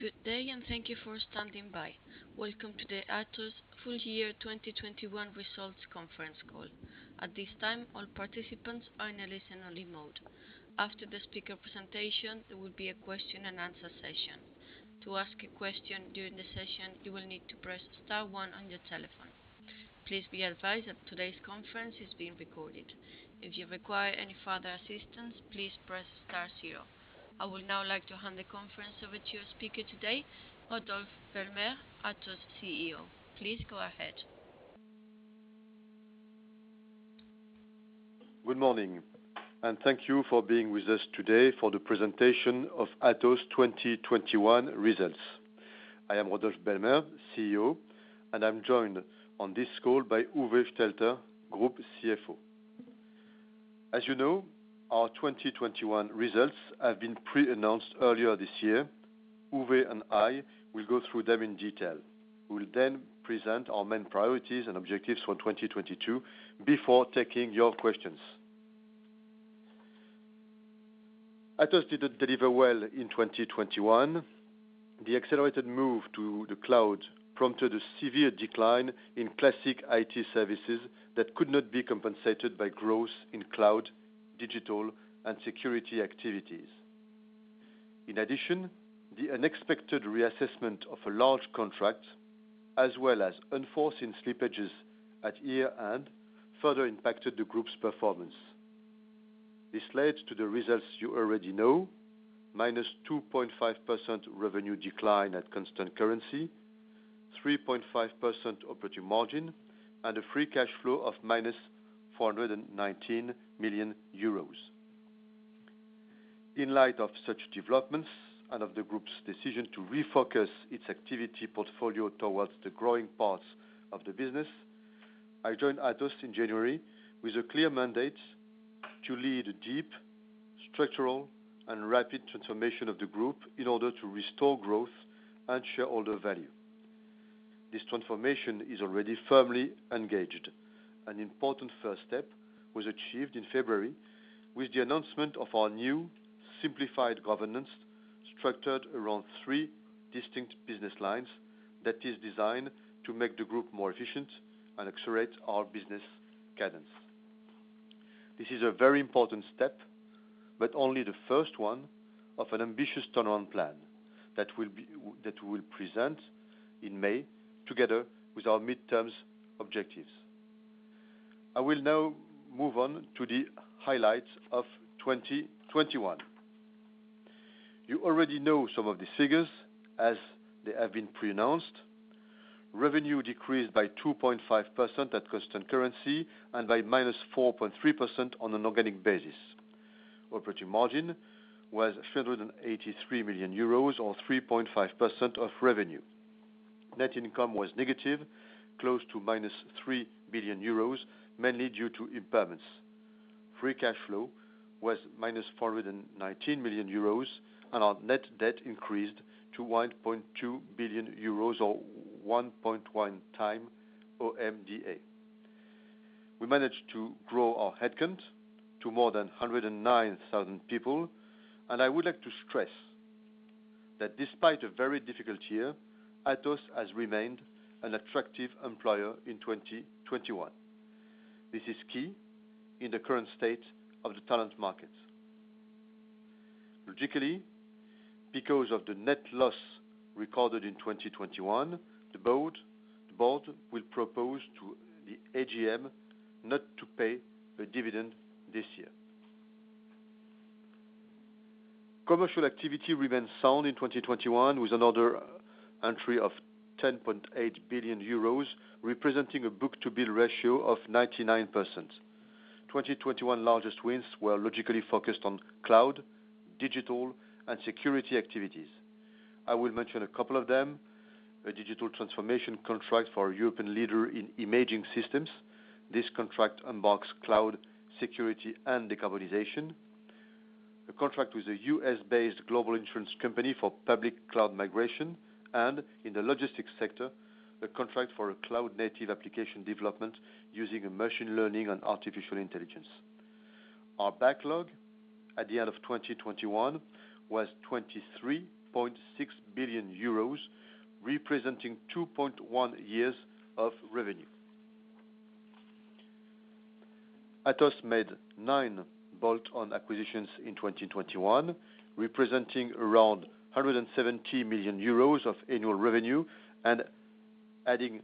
Good day and thank you for standing by. Welcome to the Atos full year 2021 results conference call. At this time, all participants are in a listen only mode. After the speaker presentation, there will be a question-and-answer session. To ask a question during the session, you will need to press star one on your telephone. Please be advised that today's conference is being recorded. If you require any further assistance, please press star zero. I would now like to hand the conference over to your speaker today, Rodolphe Belmer, Atos CEO. Please go ahead. Good morning, and thank you for being with us today for the presentation of Atos 2021 results. I am Rodolphe Belmer, CEO, and I'm joined on this call by Uwe Stelter, Group CFO. As you know, our 2021 results have been pre-announced earlier this year. Uwe and I will go through them in detail. We'll then present our main priorities and objectives for 2022 before taking your questions. Atos didn't deliver well in 2021. The accelerated move to the cloud prompted a severe decline in classic IT services that could not be compensated by growth in cloud, Digital, and security activities. In addition, the unexpected reassessment of a large contract, as well as unforeseen slippages at year-end, further impacted the group's performance. This led to the results you already know, -2.5% revenue decline at constant currency, 3.5% operating margin, and a free cash flow of -419 million euros. In light of such developments and of the group's decision to refocus its activity portfolio towards the growing parts of the business, I joined Atos in January with a clear mandate to lead a deep structural and rapid transformation of the group in order to restore growth and shareholder value. This transformation is already firmly engaged. An important first step was achieved in February with the announcement of our new simplified governance structured around three distinct business lines that is designed to make the group more efficient and accelerate our business cadence. This is a very important step, but only the first one of an ambitious turnaround plan that we'll present in May together with our midterms objectives. I will now move on to the highlights of 2021. You already know some of the figures as they have been pre-announced. Revenue decreased by 2.5% at constant currency and by -4.3% on an organic basis. Operating margin was 383 million euros, or 3.5% of revenue. Net income was negative, close to -3 billion euros, mainly due to impairments. Free cash flow was -419 million euros, and our net debt increased to 1.2 billion euros or 1.1 times OMDA. We managed to grow our headcount to more than 109,000 people, and I would like to stress that despite a very difficult year, Atos has remained an attractive employer in 2021. This is key in the current state of the talent market. Logically, because of the net loss recorded in 2021, the Board will propose to the AGM not to pay a dividend this year. Commercial activity remained sound in 2021 with an order entry of 10.8 billion euros, representing a book-to-bill ratio of 99%. 2021's largest wins were logically focused on cloud, Digital, and security activities. I will mention a couple of them, a Digital transformation contract for a European leader in imaging systems. This contract includes cloud, security, and decarbonization. A contract with a U.S.-based global insurance company for public cloud migration and in the logistics sector, a contract for a cloud-native application development using machine learning and artificial intelligence. Our backlog at the end of 2021 was 23.6 billion euros, representing 2.1 years of revenue. Atos made nine bolt-on acquisitions in 2021, representing around 170 million euros of annual revenue and adding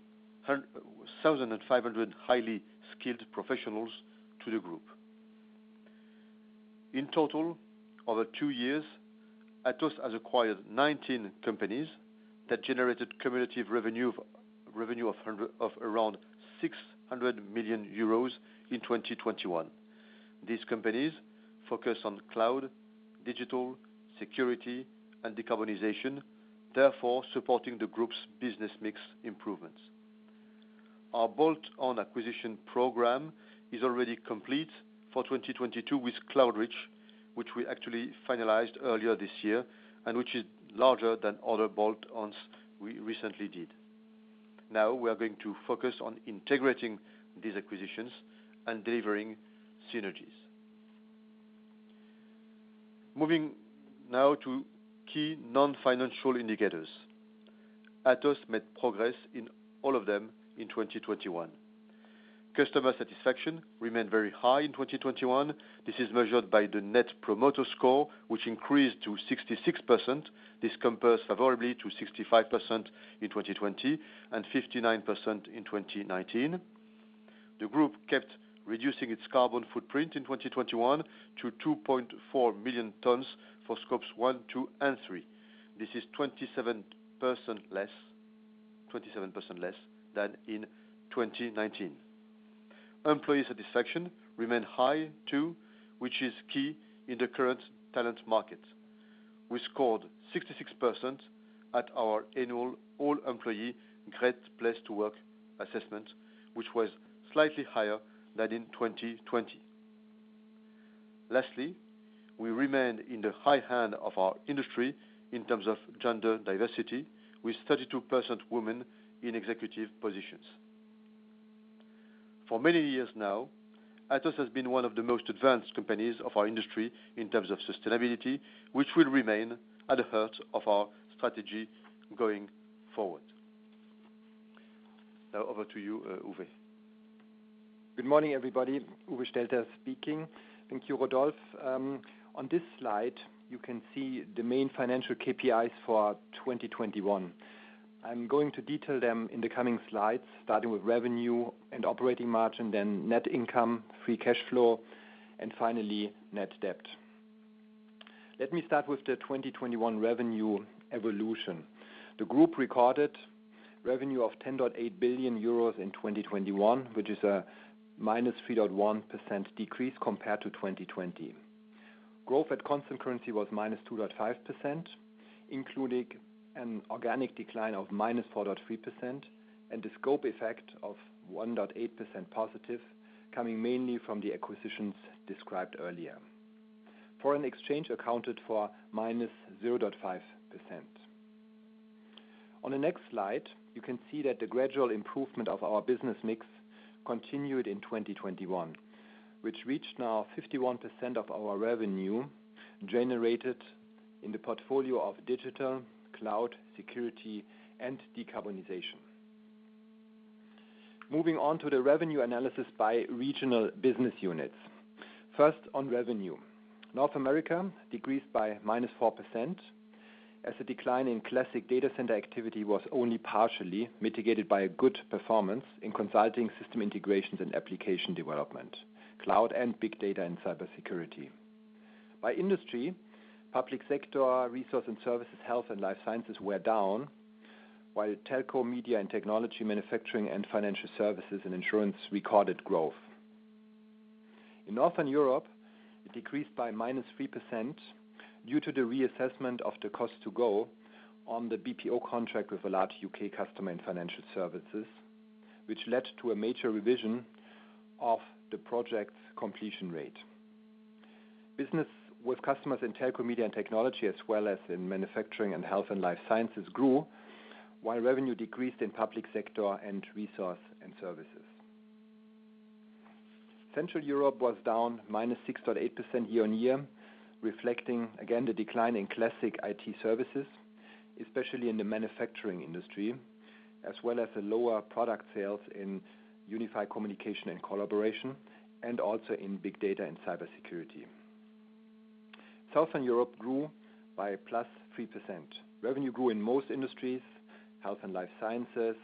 1,500 highly skilled professionals to the group. In total, over two years, Atos has acquired 19 companies that generated cumulative revenue of around 600 million euros in 2021. These companies focus on cloud, Digital, security and decarbonization, therefore supporting the group's business mix improvements. Our bolt-on acquisition program is already complete for 2022 with Cloudreach, which we actually finalized earlier this year and which is larger than other bolt-ons we recently did. Now we are going to focus on integrating these acquisitions and delivering synergies. Moving now to key non-financial indicators. Atos made progress in all of them in 2021. Customer satisfaction remained very high in 2021. This is measured by the Net Promoter Score, which increased to 66%. This compares favorably to 65% in 2020 and 59% in 2019. The group kept reducing its carbon footprint in 2021 to 2.4 million tons for Scope 1, 2, and 3. This is 27% less than in 2019. Employee satisfaction remained high too, which is key in the current talent market. We scored 66% at our annual all-employee Great Place To Work assessment, which was slightly higher than in 2020. Lastly, we remained in the high end of our industry in terms of gender diversity with 32% women in executive positions. For many years now, Atos has been one of the most advanced companies of our industry in terms of sustainability, which will remain at the heart of our strategy going forward. Now over to you, Uwe. Good morning, everybody. Uwe Stelter speaking. Thank you, Rodolphe. On this slide, you can see the main financial KPIs for 2021. I'm going to detail them in the coming slides, starting with revenue and operating margin, then net income, free cash flow, and finally net debt. Let me start with the 2021 revenue evolution. The group recorded revenue of 10.8 billion euros in 2021, which is a -3.1% decrease compared to 2020. Growth at constant currency was -2.5%, including an organic decline of -4.3% and the scope effect of +1.8% coming mainly from the acquisitions described earlier. Foreign exchange accounted for -0.5%. On the next slide, you can see that the gradual improvement of our business mix continued in 2021, which reached now 51% of our revenue generated in the portfolio of Digital, cloud, security, and decarbonization. Moving on to the revenue analysis by regional business units. First, on revenue. North America decreased by -4% as the decline in classic data center activity was only partially mitigated by a good performance in consulting system integrations and application development, cloud and Big Data, and cybersecurity. By industry, Public Sector, Resource and Services, Health and Life Sciences were down, while Telco, Media and Technology, Manufacturing and Financial Services and Insurance recorded growth. In Northern Europe, it decreased by -3% due to the reassessment of the cost to go on the BPO contract with a large U.K. customer in Financial Services, which led to a major revision of the project's completion rate. Business with customers in Telco, Media, and Technology, as well as in Manufacturing and Health and Life Sciences grew, while revenue decreased in Public Sector and Resources and Services. Central Europe was down -6.8% year-on-year, reflecting again the decline in classic IT services, especially in the Manufacturing industry, as well as the lower product sales in unified communication and collaboration, and also in Big Data and cybersecurity. Southern Europe grew by +3%. Revenue grew in most industries, Health and Life Sciences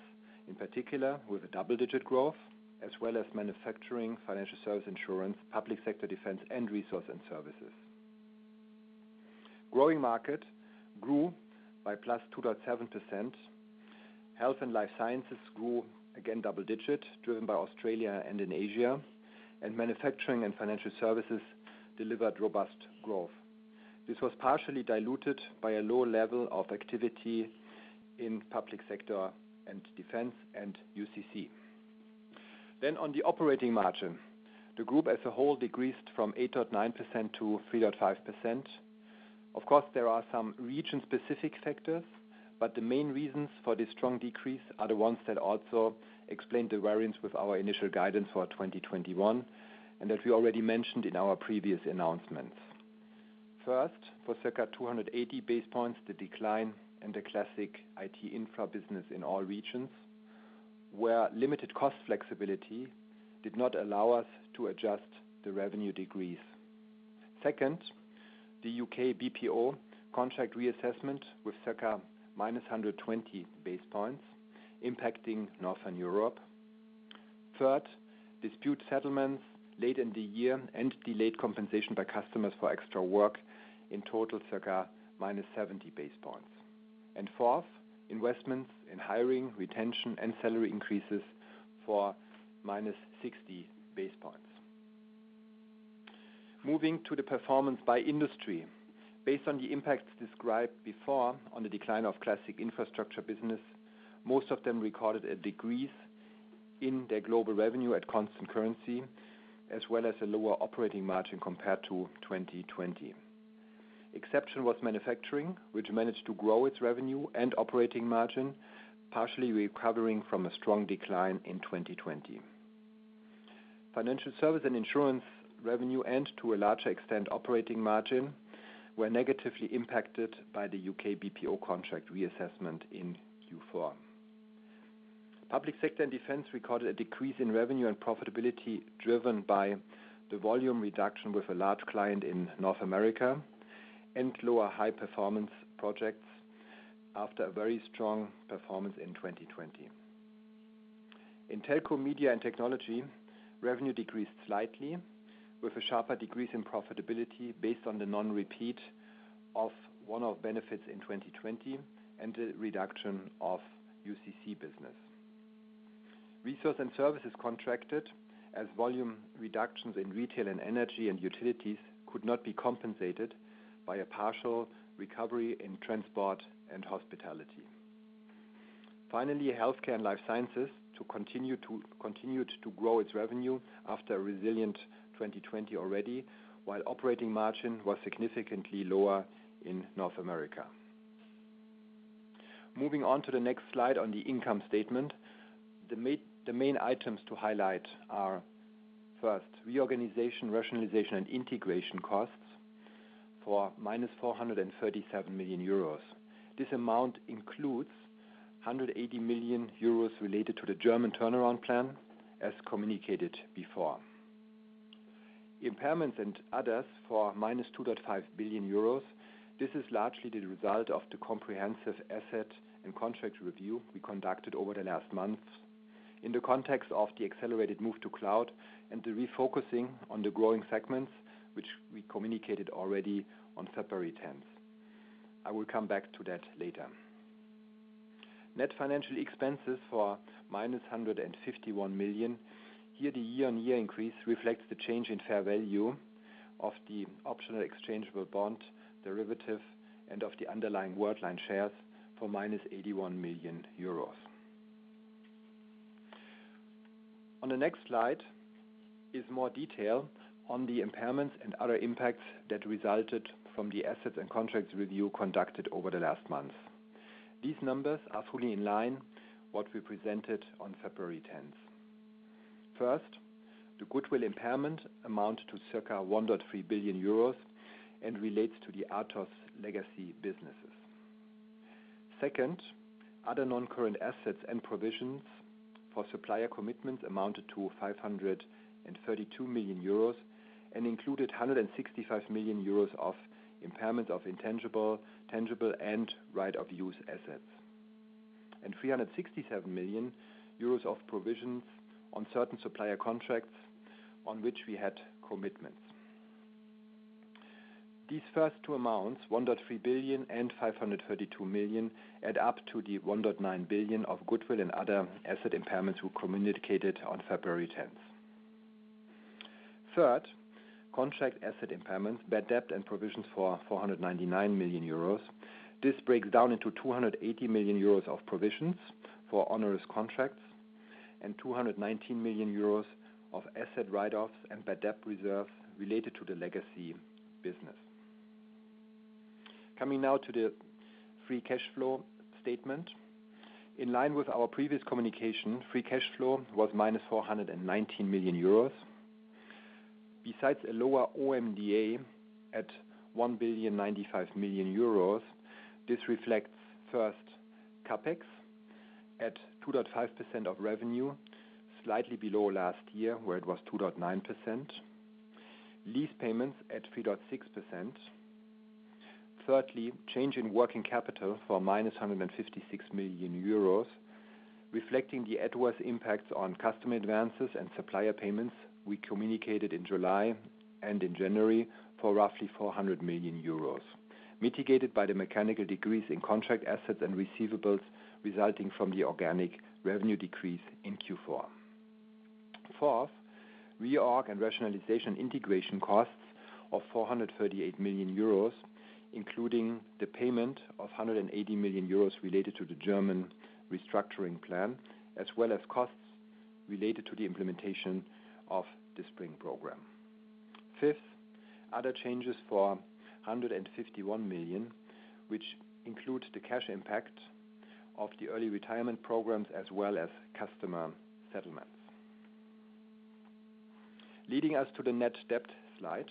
in particular, with a double-digit growth, as well as Manufacturing, Financial Services, Insurance, Public Sector, Defense, and Resources and Services. Growing Markets grew by +2.7%. Health and Life Sciences grew again double-digit, driven by Australia and in Asia. Manufacturing and Financial Services delivered robust growth. This was partially diluted by a low level of activity in Public Sector and Defense and UCC. On the operating margin, the group as a whole decreased from 8.9%-3.5%. Of course, there are some region-specific sectors, but the main reasons for this strong decrease are the ones that also explain the variance with our initial guidance for 2021, and that we already mentioned in our previous announcements. First, for circa 280 basis points, the decline in the classic IT Infra business in all regions, where limited cost flexibility did not allow us to adjust the revenue decrease. Second, the U.K. BPO contract reassessment with circa -120 basis points impacting Northern Europe. Third, dispute settlements late in the year and delayed compensation by customers for extra work in total circa -70 basis points. Fourth, investments in hiring, retention, and salary increases for -60 basis points. Moving to the performance by industry. Based on the impacts described before on the decline of classic Infrastructure business, most of them recorded a decrease in their global revenue at constant currency, as well as a lower operating margin compared to 2020. Exception was manufacturing, which managed to grow its revenue and operating margin, partially recovering from a strong decline in 2020. Financial Services and Insurance revenue, and to a larger extent, operating margin, were negatively impacted by the U.K. BPO contract reassessment in Q4. Public Sector and Defense recorded a decrease in revenue and profitability, driven by the volume reduction with a large client in North America and lower high performance projects after a very strong performance in 2020. In Telco, Media and Technology, revenue decreased slightly, with a sharper decrease in profitability based on the non-repeat of one-off benefits in 2020 and the reduction of UCC business. Resources and Services contracted as volume reductions in retail and energy and utilities could not be compensated by a partial recovery in transport and hospitality. Finally, Healthcare and Life Sciences continued to grow its revenue after a resilient 2020 already, while operating margin was significantly lower in North America. Moving on to the next slide on the income statement, the main items to highlight are, first, reorganization, rationalization and integration costs for -437 million euros. This amount includes 180 million euros related to the German turnaround plan, as communicated before. Impairments and others for -2.5 billion euros. This is largely the result of the comprehensive asset and contract review we conducted over the last months in the context of the accelerated move to cloud and the refocusing on the growing segments, which we communicated already on February 10th. I will come back to that later. Net financial expenses for -151 million. Here, the year-on-year increase reflects the change in fair value of the optional exchangeable bond derivative and of the underlying Worldline shares for -81 million euros. On the next slide is more detail on the impairments and other impacts that resulted from the assets and contracts review conducted over the last month. These numbers are fully in line with what we presented on February 10th. First, the goodwill impairment amounted to circa 1.3 billion euros and relates to the Atos legacy businesses. Second, other non-current assets and provisions for supplier commitments amounted to 532 million euros and included 165 million euros of impairment of intangible, tangible and right-of-use assets and 367 million euros of provisions on certain supplier contracts on which we had commitments. These first two amounts, 1.3 billion and 532 million, add up to the 1.9 billion of goodwill and other asset impairments we communicated on February 10th. Third, contract asset impairments, bad debt and provisions for 499 million euros. This breaks down into 280 million euros of provisions for onerous contracts and 219 million euros of asset write-offs and bad debt reserves related to the legacy business. Coming now to the free cash flow statement. In line with our previous communication, free cash flow was -419 million euros. Besides a lower OMDA at 1,095 million euros, this reflects first, CapEx at 2.5% of revenue, slightly below last year, where it was 2.9%. Lease payments at 3.6%. Thirdly, change in working capital of -156 million euros, reflecting the adverse impacts on customer advances and supplier payments we communicated in July and in January for roughly 400 million euros, mitigated by the mechanical decrease in contract assets and receivables resulting from the organic revenue decrease in Q4. Fourth, reorg and rationalization integration costs of 438 million euros, including the payment of 180 million euros related to the German restructuring plan, as well as costs related to the implementation of the Spring program. Fifth, other changes of 151 million, which includes the cash impact of the early retirement programs as well as customer settlements. Leading us to the net debt slide.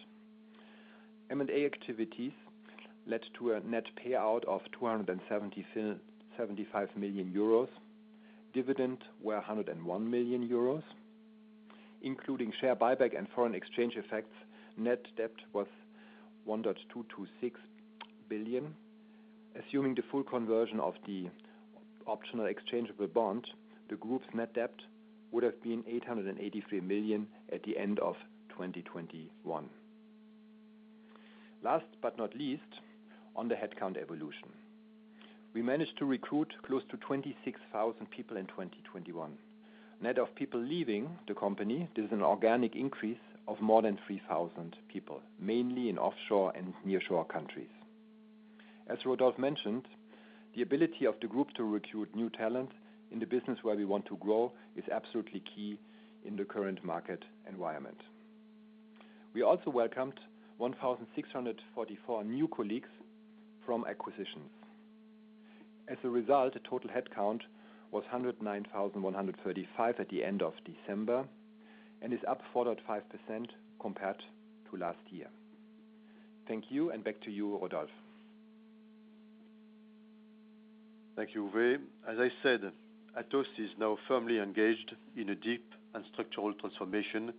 M&A activities led to a net payout of 275 million euros. Dividends were 101 million euros, including share buyback and foreign exchange effects. Net debt was 1.226 billion. Assuming the full conversion of the Optional Exchangeable Bond, the group's net debt would have been 883 million at the end of 2021. Last but not least, on the headcount evolution. We managed to recruit close to 26,000 people in 2021. Net of people leaving the company, this is an organic increase of more than 3,000 people, mainly in offshore and nearshore countries. As Rodolphe mentioned, the ability of the group to recruit new talent in the business where we want to grow is absolutely key in the current market environment. We also welcomed 1,644 new colleagues from acquisitions. As a result, the total headcount was 109,135 at the end of December, and is up 4.5% compared to last year. Thank you, and back to you, Rodolphe. Thank you, Uwe. As I said, Atos is now firmly engaged in a deep and structural transformation,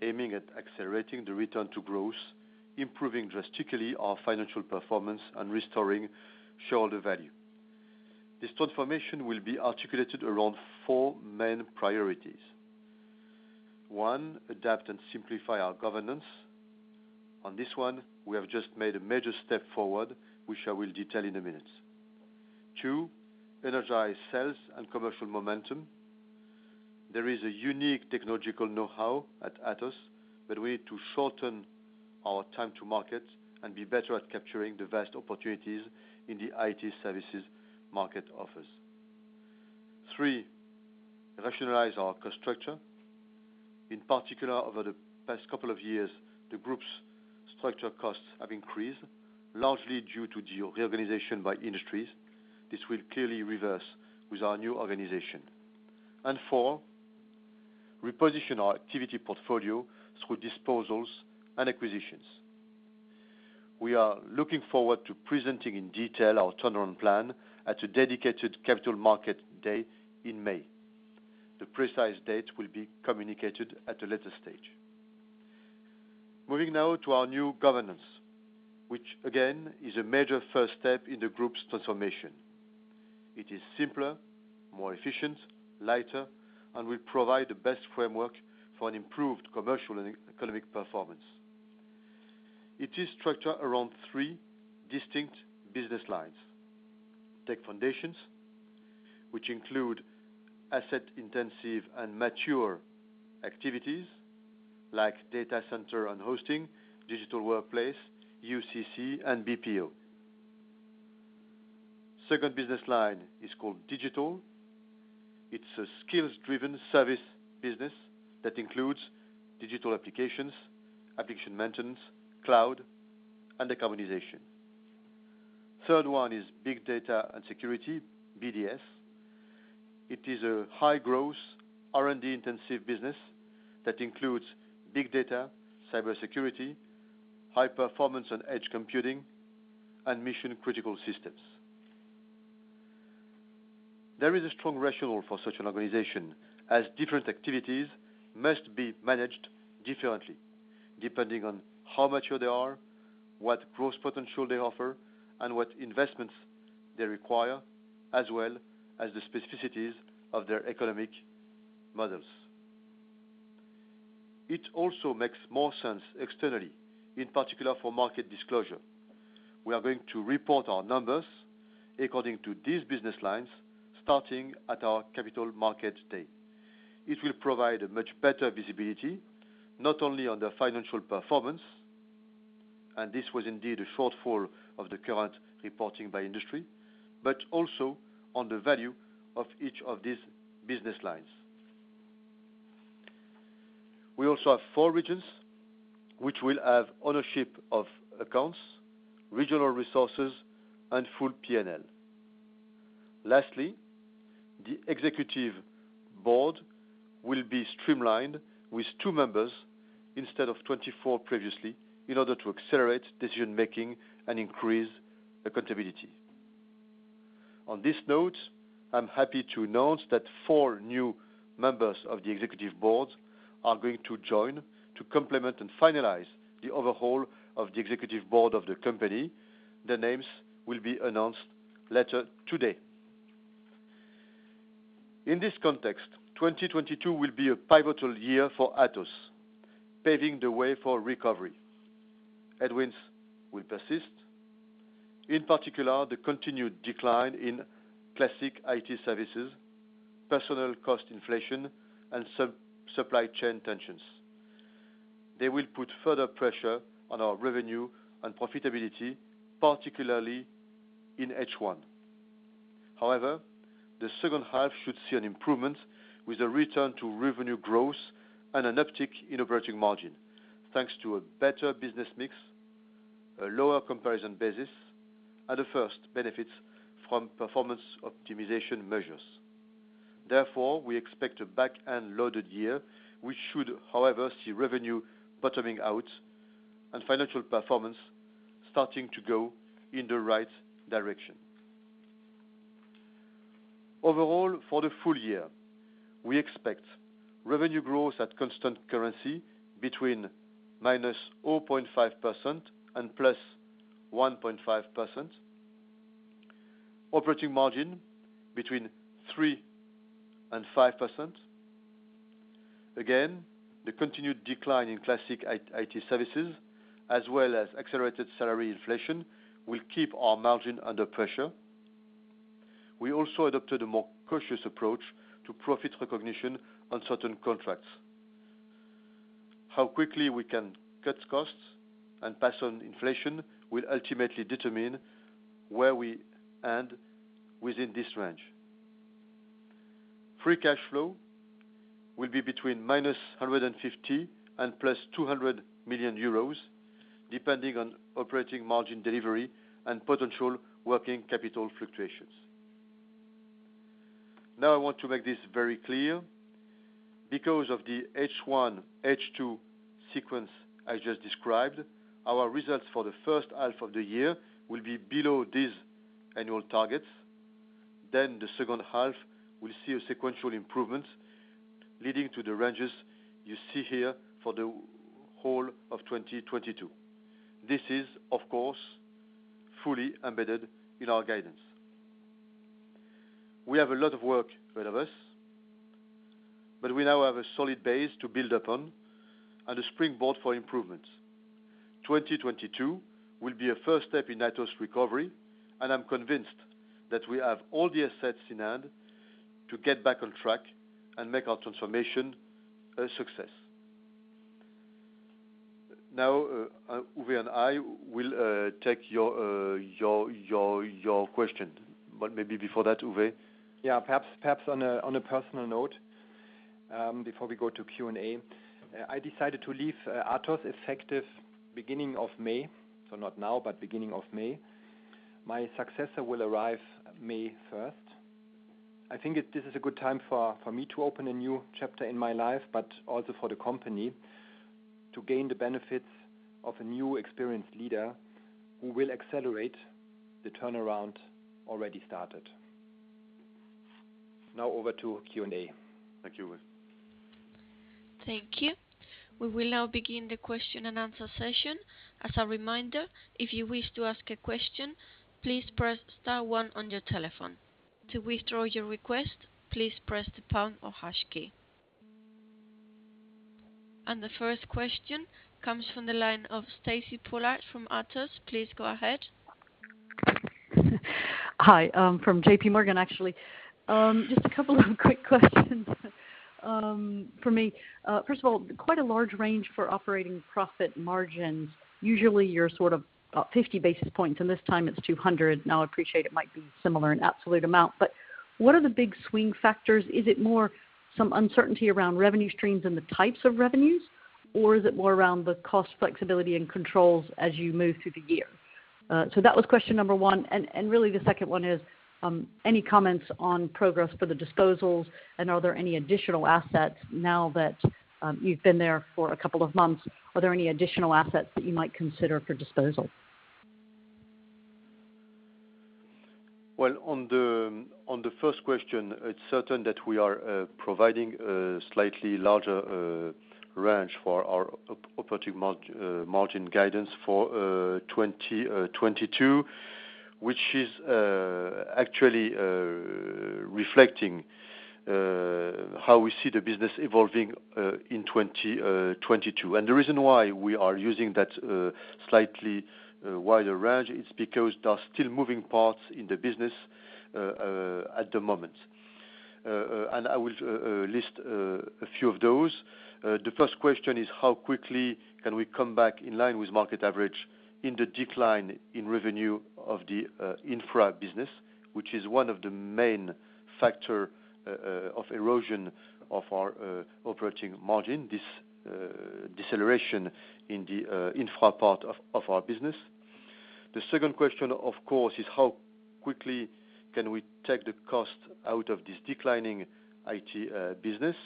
aiming at accelerating the return to growth, improving drastically our financial performance, and restoring shareholder value. This transformation will be articulated around four main priorities. One, adapt and simplify our governance. On this one, we have just made a major step forward, which I will detail in a minute. Two, energize sales and commercial momentum. There is a unique technological know-how at Atos, but we need to shorten our time to market and be better at capturing the vast opportunities in the IT services market offers. Three, rationalize our cost structure. In particular, over the past couple of years, the group's structure costs have increased, largely due to the reorganization by industries. This will clearly reverse with our new organization. Four, reposition our activity portfolio through disposals and acquisitions. We are looking forward to presenting in detail our turnaround plan at a dedicated Capital Markets Day in May. The precise date will be communicated at a later stage. Moving now to our new governance, which again is a major first step in the group's transformation. It is simpler, more efficient, lighter, and will provide the best framework for an improved commercial and economic performance. It is structured around three distinct business lines. Tech Foundations, which include asset-intensive and mature activities like data center and hosting, Digital workplace, UCC, and BPO. Second business line is called Digital. It's a skills-driven service business that includes Digital applications, application maintenance, cloud, and decarbonization. Third one is Big Data & Security, BDS. It is a high-growth, R&D-intensive business that includes Big Data, cybersecurity, high performance and edge computing, and mission-critical systems. There is a strong rationale for such an organization, as different activities must be managed differently depending on how mature they are, what growth potential they offer, and what investments they require, as well as the specificities of their economic models. It also makes more sense externally, in particular for market disclosure. We are going to report our numbers according to these business lines, starting at our Capital Markets Day. It will provide a much better visibility, not only on the financial performance, and this was indeed a shortfall of the current reporting by industry, but also on the value of each of these business lines. We also have four regions which will have ownership of accounts, regional resources, and full P&L. Lastly, the executive board will be streamlined with 2 members instead of 24 previously, in order to accelerate decision-making and increase accountability. On this note, I'm happy to announce that four new members of the Executive Board are going to join to complement and finalize the overhaul of the Executive Board of the company. Their names will be announced later today. In this context, 2022 will be a pivotal year for Atos, paving the way for recovery. Headwinds will persist. In particular, the continued decline in classic IT services, personnel cost inflation, and supply chain tensions. They will put further pressure on our revenue and profitability, particularly in H1. However, the second half should see an improvement with a return to revenue growth and an uptick in operating margin, thanks to a better business mix, a lower comparison basis, and the first benefits from performance optimization measures. Therefore, we expect a back-end loaded year, which should, however, see revenue bottoming out and financial performance starting to go in the right direction. Overall, for the full year, we expect revenue growth at constant currency between -0.5% and +1.5%. Operating margin between 3% and 5%. Again, the continued decline in classic IT services as well as accelerated salary inflation will keep our margin under pressure. We also adopted a more cautious approach to profit recognition on certain contracts. How quickly we can cut costs and pass on inflation will ultimately determine where we end within this range. Free cash flow will be between -150 million and +200 million euros, depending on operating margin delivery and potential working capital fluctuations. Now I want to make this very clear because of the H1, H2 sequence I just described, our results for the first half of the year will be below these annual targets. The second half will see a sequential improvement leading to the ranges you see here for the whole of 2022. This is, of course, fully embedded in our guidance. We have a lot of work ahead of us, but we now have a solid base to build upon and a springboard for improvements. 2022 will be a first step in Atos recovery, and I'm convinced that we have all the assets in hand to get back on track and make our transformation a success. Now, Uwe and I will take your question, but maybe before that, Uwe. Perhaps on a personal note, before we go to Q&A, I decided to leave Atos effective beginning of May, so not now, but beginning of May. My successor will arrive May first. I think this is a good time for me to open a new chapter in my life, but also for the company to gain the benefits of a new experienced leader who will accelerate the turnaround already started. Now over to Q&A. Thank you, Uwe. Thank you. We will now begin the question-and-answer session. As a reminder, if you wish to ask a question, please press star one on your telephone. To withdraw your request, please press the pound or hash key. The first question comes from the line of Stacy Pollard from Atos. Please go ahead. Hi, I'm from JPMorgan, actually. Just a couple of quick questions for me. First of all, quite a large range for operating profit margins. Usually, you're sort of about 50 basis points, and this time it's 200. Now, I appreciate it might be similar in absolute amount, but what are the big swing factors? Is it more some uncertainty around revenue streams and the types of revenues, or is it more around the cost flexibility and controls as you move through the year? So that was question number one. Really the second one is, any comments on progress for the disposals, and are there any additional assets now that you've been there for a couple of months, are there any additional assets that you might consider for disposal? Well, on the first question, it's certain that we are providing a slightly larger range for our operating margin guidance for 2022, which is actually reflecting how we see the business evolving in 2022. The reason why we are using that slightly wider range is because there are still moving parts in the business at the moment. I will list a few of those. The first question is how quickly can we come back in line with market average in the decline in revenue of the Infra business, which is one of the main factor of erosion of our operating margin, this deceleration in the Infra part of our business. The second question, of course, is how quickly can we take the cost out of this declining IT business.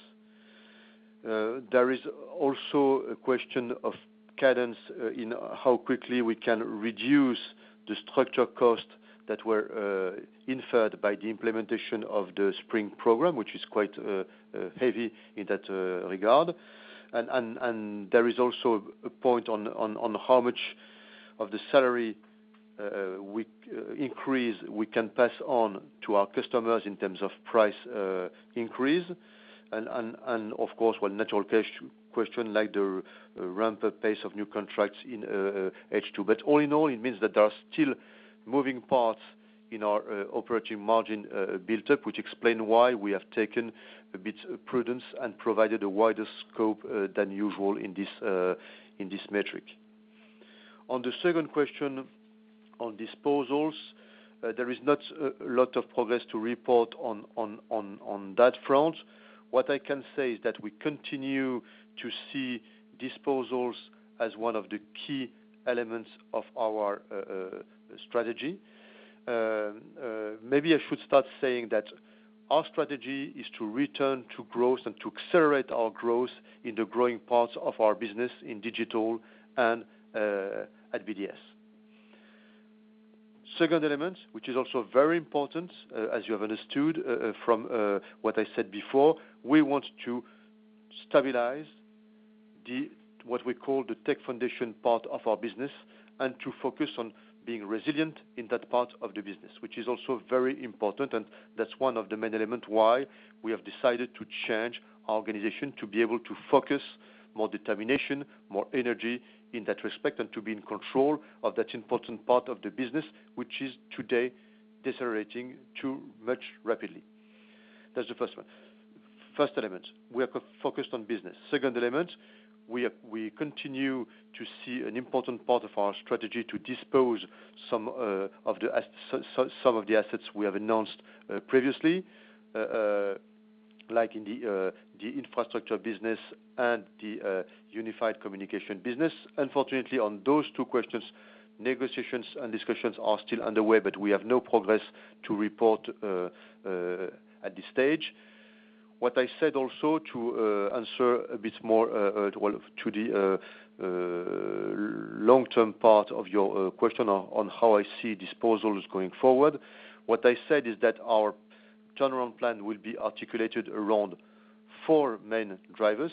There is also a question of cadence in how quickly we can reduce the structural costs that were inferred by the implementation of the Spring program, which is quite heavy in that regard. There is also a point on how much of the salary increase we can pass on to our customers in terms of price increase. Of course, one natural question like the ramp up pace of new contracts in H2. All in all, it means that there are still moving parts in our operating margin built up, which explain why we have taken a bit of prudence and provided a wider scope than usual in this metric. On the second question on disposals, there is not a lot of progress to report on that front. What I can say is that we continue to see disposals as one of the key elements of our strategy. Maybe I should start saying that our strategy is to return to growth and to accelerate our growth in the growing parts of our business in Digital and at BDS. Second element, which is also very important, as you have understood from what I said before, we want to stabilize the what we call the Tech Foundations part of our business and to focus on being resilient in that part of the business, which is also very important, and that's one of the main element why we have decided to change our organization, to be able to focus more determination, more energy in that respect, and to be in control of that important part of the business, which is today decelerating too much rapidly. That's the first one. First element, we are core-focused on business. Second element, we continue to see an important part of our strategy to dispose some of the assets we have announced previously. Like in the Infrastructure business and the unified communication business. Unfortunately on those two questions, negotiations and discussions are still underway, but we have no progress to report at this stage. What I said also to answer a bit more, well to the long-term part of your question on how I see disposals going forward, what I said is that our turnaround plan will be articulated around four main drivers.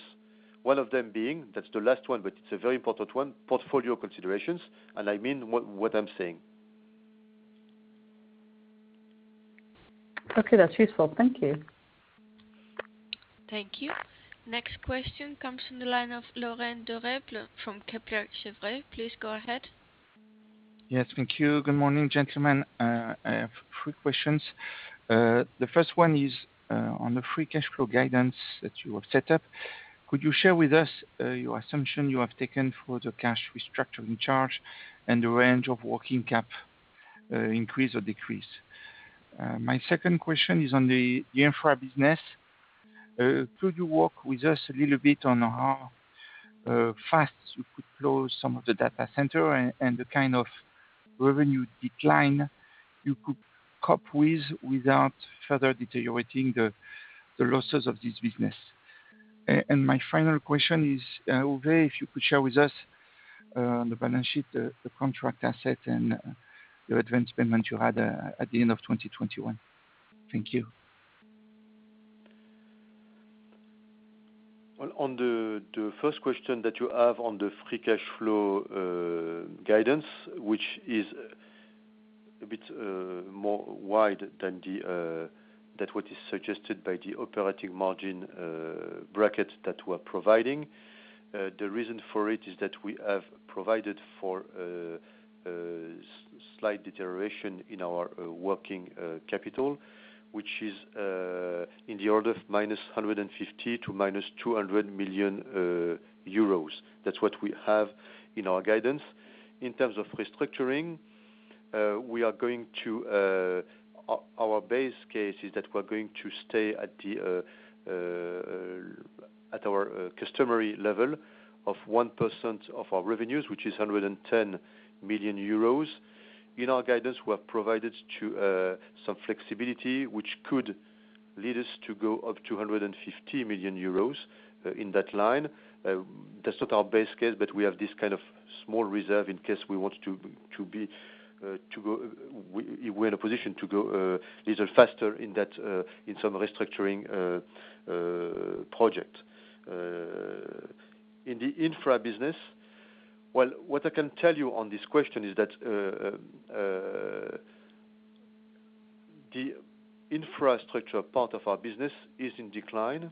One of them being, that's the last one, but it's a very important one, portfolio considerations, and I mean what I'm saying. Okay, that's useful. Thank you. Thank you. Next question comes from the line of Laurent Daure from Kepler Cheuvreux. Please go ahead. Yes, thank you. Good morning, gentlemen. I have three questions. The first one is on the free cash flow guidance that you have set up. Could you share with us your assumption you have taken for the cash restructuring charge and the range of working cap increase or decrease? My second question is on the Infra business. Could you walk with us a little bit on how fast you could close some of the data center and the kind of revenue decline you could cope with without further deteriorating the losses of this business? And my final question is, Uwe, if you could share with us on the balance sheet the contract asset and the advance payment you had at the end of 2021. Thank you. Well, on the first question that you have on the free cash flow guidance, which is a bit more wide than what is suggested by the operating margin bracket that we're providing. The reason for it is that we have provided for slight deterioration in our working capital, which is in the order of -150 million to -200 million euros. That's what we have in our guidance. In terms of restructuring, our base case is that we're going to stay at our customary level of 1% of our revenues, which is 110 million euros. In our guidance, we have provided some flexibility which could lead us to go up to 150 million euros in that line. That's not our base case, but we have this kind of small reserve in case we want to. We're in a position to go a little faster in that in some restructuring project. In the Infra business, well, what I can tell you on this question is that the Infrastructure part of our business is in decline,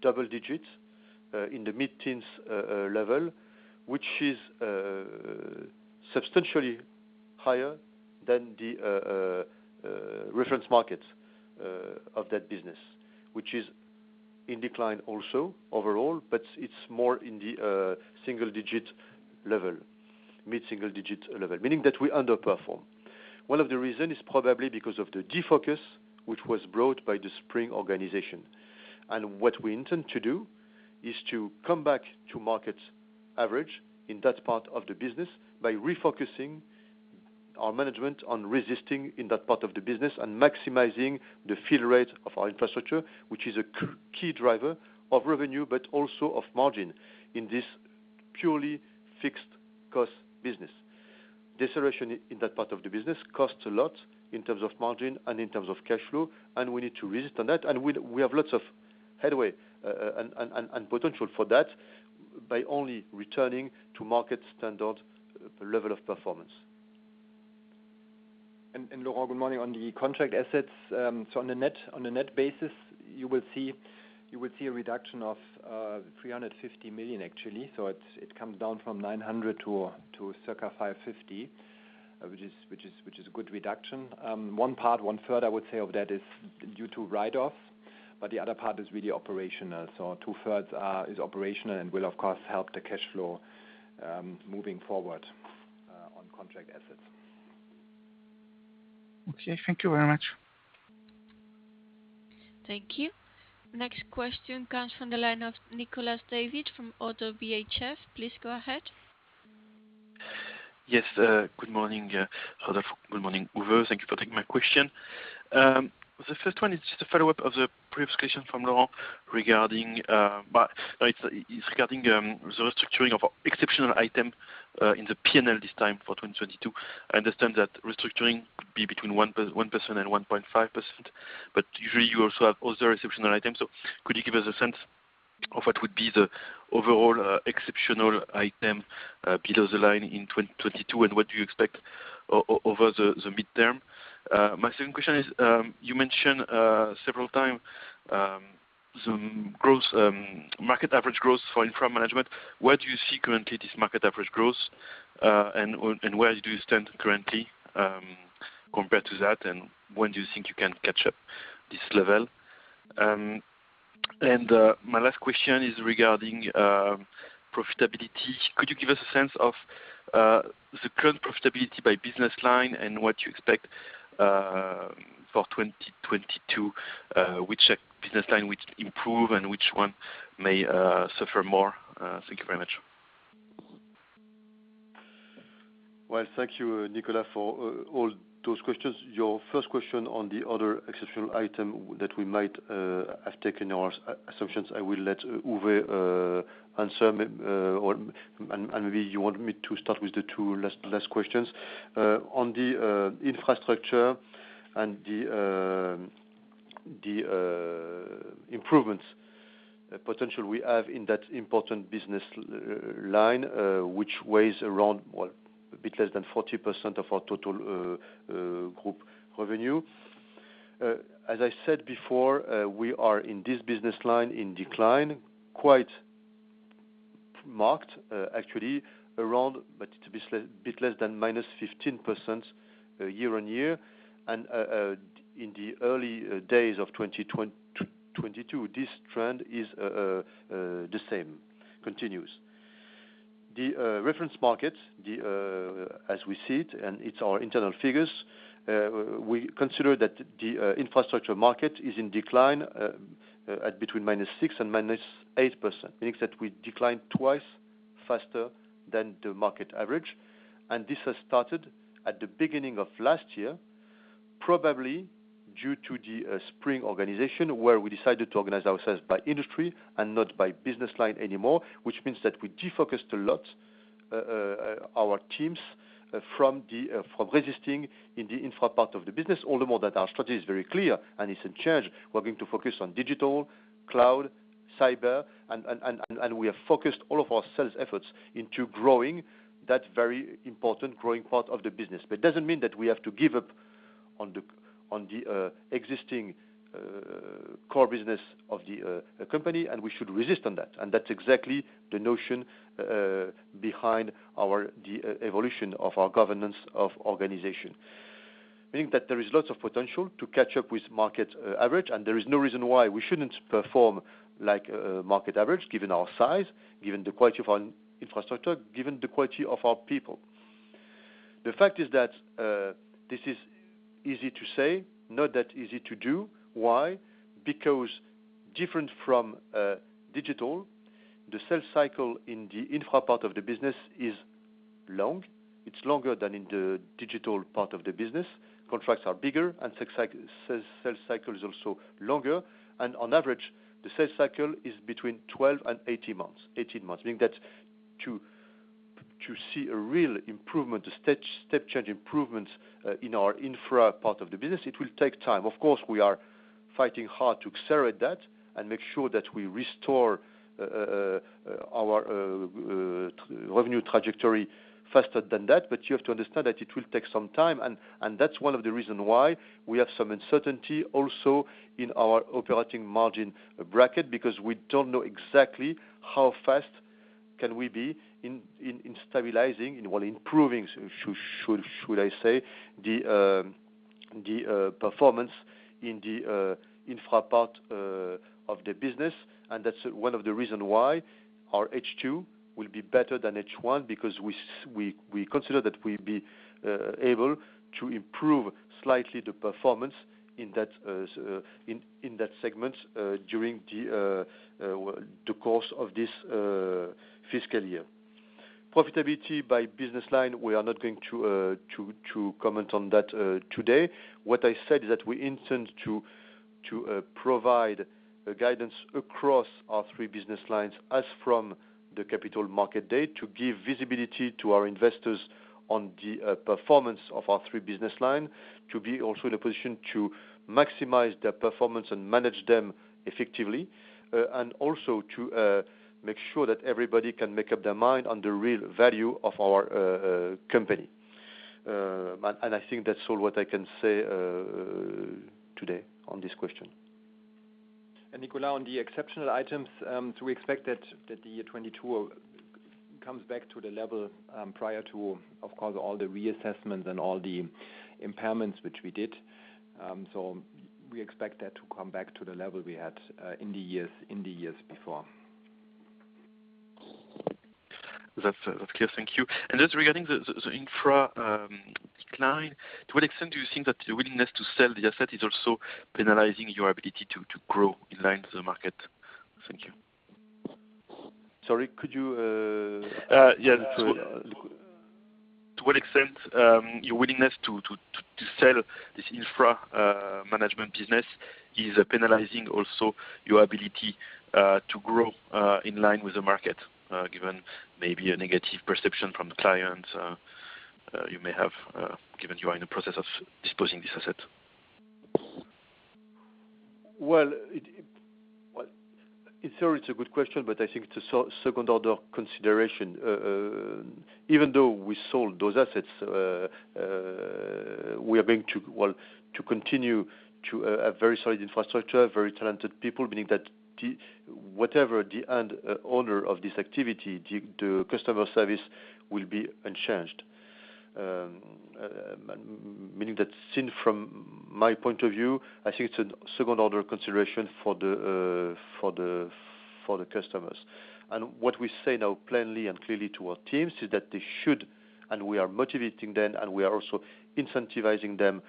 double digits in the mid-teens level, which is substantially higher than the reference market of that business, which is in decline also overall, but it's more in the single digit level, mid-single digit level, meaning that we underperform. One of the reasons is probably because of the defocus which was brought by the Spring program. What we intend to do is to come back to market average in that part of the business by refocusing our management on investing in that part of the business and maximizing the fill rate of our Infrastructure, which is a key driver of revenue, but also of margin in this purely fixed cost business. Deterioration in that part of the business costs a lot in terms of margin and in terms of cash flow, and we need to invest in that. We have lots of headway and potential for that by only returning to market standard level of performance. Laurent, good morning. On the contract assets, on the net basis, you will see a reduction of 350 million actually. It comes down from 900 to circa 550, which is a good reduction. 1/3, I would say, of that is due to write-off, but the other part is really operational. 2/3 is operational and will of course help the cash flow moving forward on contract assets. Okay. Thank you very much. Thank you. Next question comes from the line of Nicolas David from Oddo BHF. Please go ahead. Yes. Good morning, Rodolphe. Good morning, Uwe. Thank you for taking my question. The first one is just a follow-up of the previous question from Laurent regarding the restructuring of exceptional item in the P&L this time for 2022. I understand that restructuring could be between 1%-1.5%, but usually you also have other exceptional items. Could you give us a sense of what would be the overall exceptional item below the line in 2022, and what do you expect over the midterm? My second question is, you mentioned several times the Growing Markets average growth for Infra management, where do you see currently this market average growth, and where do you stand currently compared to that? When do you think you can catch up to this level? My last question is regarding profitability. Could you give us a sense of the current profitability by business line and what you expect for 2022? Which business line will improve and which one may suffer more? Thank you very much. Well, thank you, Nicolas, for all those questions. Your first question on the other exceptional item that we might have taken our assumptions, I will let Uwe answer. Maybe you want me to start with the two last questions. On the Infrastructure and the improvements potential we have in that important business line which weighs around, well, a bit less than 40% of our total group revenue. As I said before, we are in this business line in decline, quite marked, actually, around but a bit less than -15% year-on-year. In the early days of 2022, this trend is the same, continues. The reference market, as we see it, and it's our internal figures. We consider that the Infrastructure market is in decline at between -6% and -8%, means that we decline twice faster than the market average. This has started at the beginning of last year, probably due to the Spring program, where we decided to organize ourselves by industry and not by business line anymore, which means that we defocused a lot our teams from resisting in the Infra part of the business, all the more that our strategy is very clear and is changing. We're going to focus on Digital, cloud, cyber, and we have focused all of our sales efforts into growing that very important growing part of the business. It doesn't mean that we have to give up on the existing core business of the company, and we should insist on that. That's exactly the notion behind the evolution of our governance of organization. Meaning that there is lots of potential to catch up with market average, and there is no reason why we shouldn't perform like market average given our size, given the quality of our Infrastructure, given the quality of our people. The fact is that this is easy to say, not that easy to do. Why? Because different from Digital, the sales cycle in the Infra part of the business is long. It's longer than in the Digital part of the business. Contracts are bigger and sales cycle is also longer. On average, the sales cycle is between 12 and 18 months. Meaning that to see a real improvement, a step change improvement, in our Infra part of the business, it will take time. Of course, we are fighting hard to accelerate that and make sure that we restore our revenue trajectory faster than that. You have to understand that it will take some time. That's one of the reason why we have some uncertainty also in our operating margin bracket, because we don't know exactly how fast can we be in stabilizing, in improving, should I say, the performance in the Infra part of the business. That's one of the reason why our H2 will be better than H1, because we consider that we'll be able to improve slightly the performance in that, in that segment, during the course of this fiscal year. Profitability by business line, we are not going to comment on that today. What I said is that we intend to provide a guidance across our three business lines as from the Capital Markets Day, to give visibility to our investors on the performance of our three business line, to be also in a position to maximize their performance and manage them effectively, and also to make sure that everybody can make up their mind on the real value of our company. I think that's all what I can say today on this question. Nicolas, on the exceptional items, do we expect that the year 2022 comes back to the level prior to, of course, all the reassessments and all the impairments which we did? We expect that to come back to the level we had in the years before. That's clear. Thank you. Just regarding the Infra decline, to what extent do you think that your willingness to sell the asset is also penalizing your ability to grow in line with the market? Thank you. Sorry, could you, uh- To what extent your willingness to sell this Infra management business is penalizing also your ability to grow in line with the market, given maybe a negative perception from the clients you may have, given you are in the process of disposing this asset? Well, in theory, it's a good question, but I think it's a second order consideration. Even though we sold those assets, we are going to, well, to continue to have very solid Infrastructure, very talented people, meaning that whatever the end owner of this activity, the customer service will be unchanged. Meaning that seen from my point of view, I think it's a second order consideration for the customers. What we say now plainly and clearly to our teams is that they should, and we are motivating them, and we are also incentivizing them,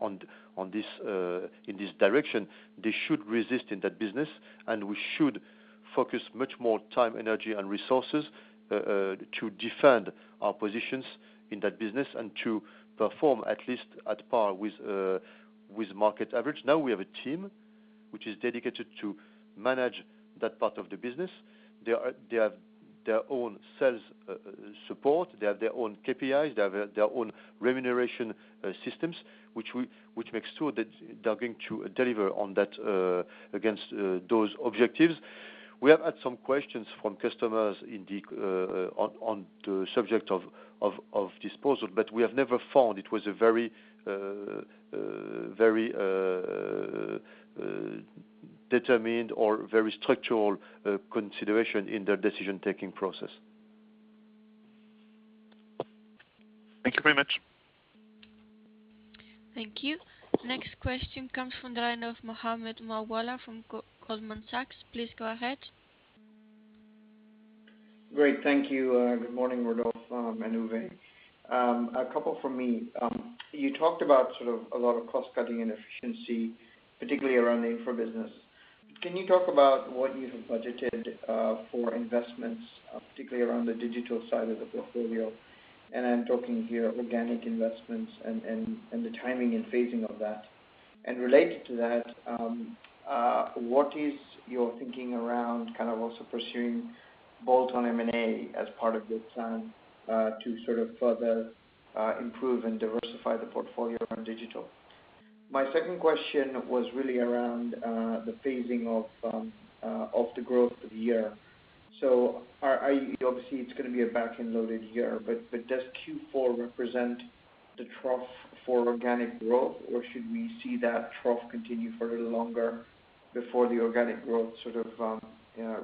on this, in this direction. They should resist in that business, and we should focus much more time, energy, and resources to defend our positions in that business and to perform at least at par with market average. Now we have a team which is dedicated to manage that part of the business. They have their own sales support. They have their own KPIs. They have their own remuneration systems, which makes sure that they're going to deliver on that against those objectives. We have had some questions from customers on the subject of disposal, but we have never found it was a very determined or very structural consideration in their decision-making process. Thank you very much. Thank you. Next question comes from the line of Mohammed Moawalla from Goldman Sachs. Please go ahead. Great, thank you. Good morning, Rodolphe and Uwe. A couple from me. You talked about sort of a lot of cost cutting and efficiency, particularly around the Infra business. Can you talk about what you have budgeted for investments, particularly around the Digital side of the portfolio? I'm talking here organic investments and the timing and phasing of that. Related to that, what is your thinking around kind of also pursuing bolt-on M&A as part of the plan to sort of further improve and diversify the portfolio on Digital? My second question was really around the phasing of the growth of the year. Obviously it's gonna be a back-end loaded year, but does Q4 represent the trough for organic growth, or should we see that trough continue for a little longer before the organic growth sort of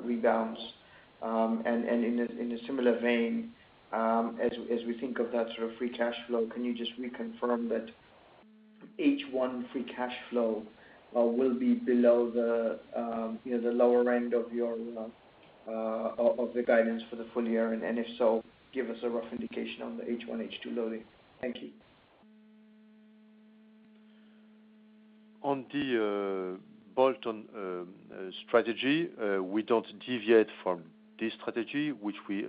rebounds? In a similar vein, as we think of that sort of free cash flow, can you just reconfirm that H1 free cash flow will be below, you know, the lower end of your guidance for the full year? If so, give us a rough indication on the H1, H2 loading. Thank you. On the bolt-on strategy, we don't deviate from this strategy, which we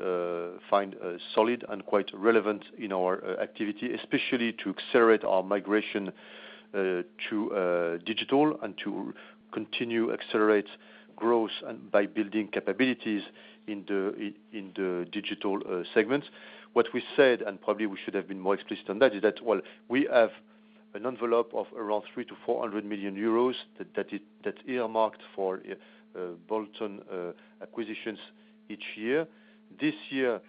find solid and quite relevant in our activity, especially to accelerate our migration to Digital and to continue accelerate growth and by building capabilities in the Digital segments. What we said, and probably we should have been more explicit on that, is that, well, we have an envelope of around 300 million-400 million euros that that's earmarked for bolt-on acquisitions each year. This year,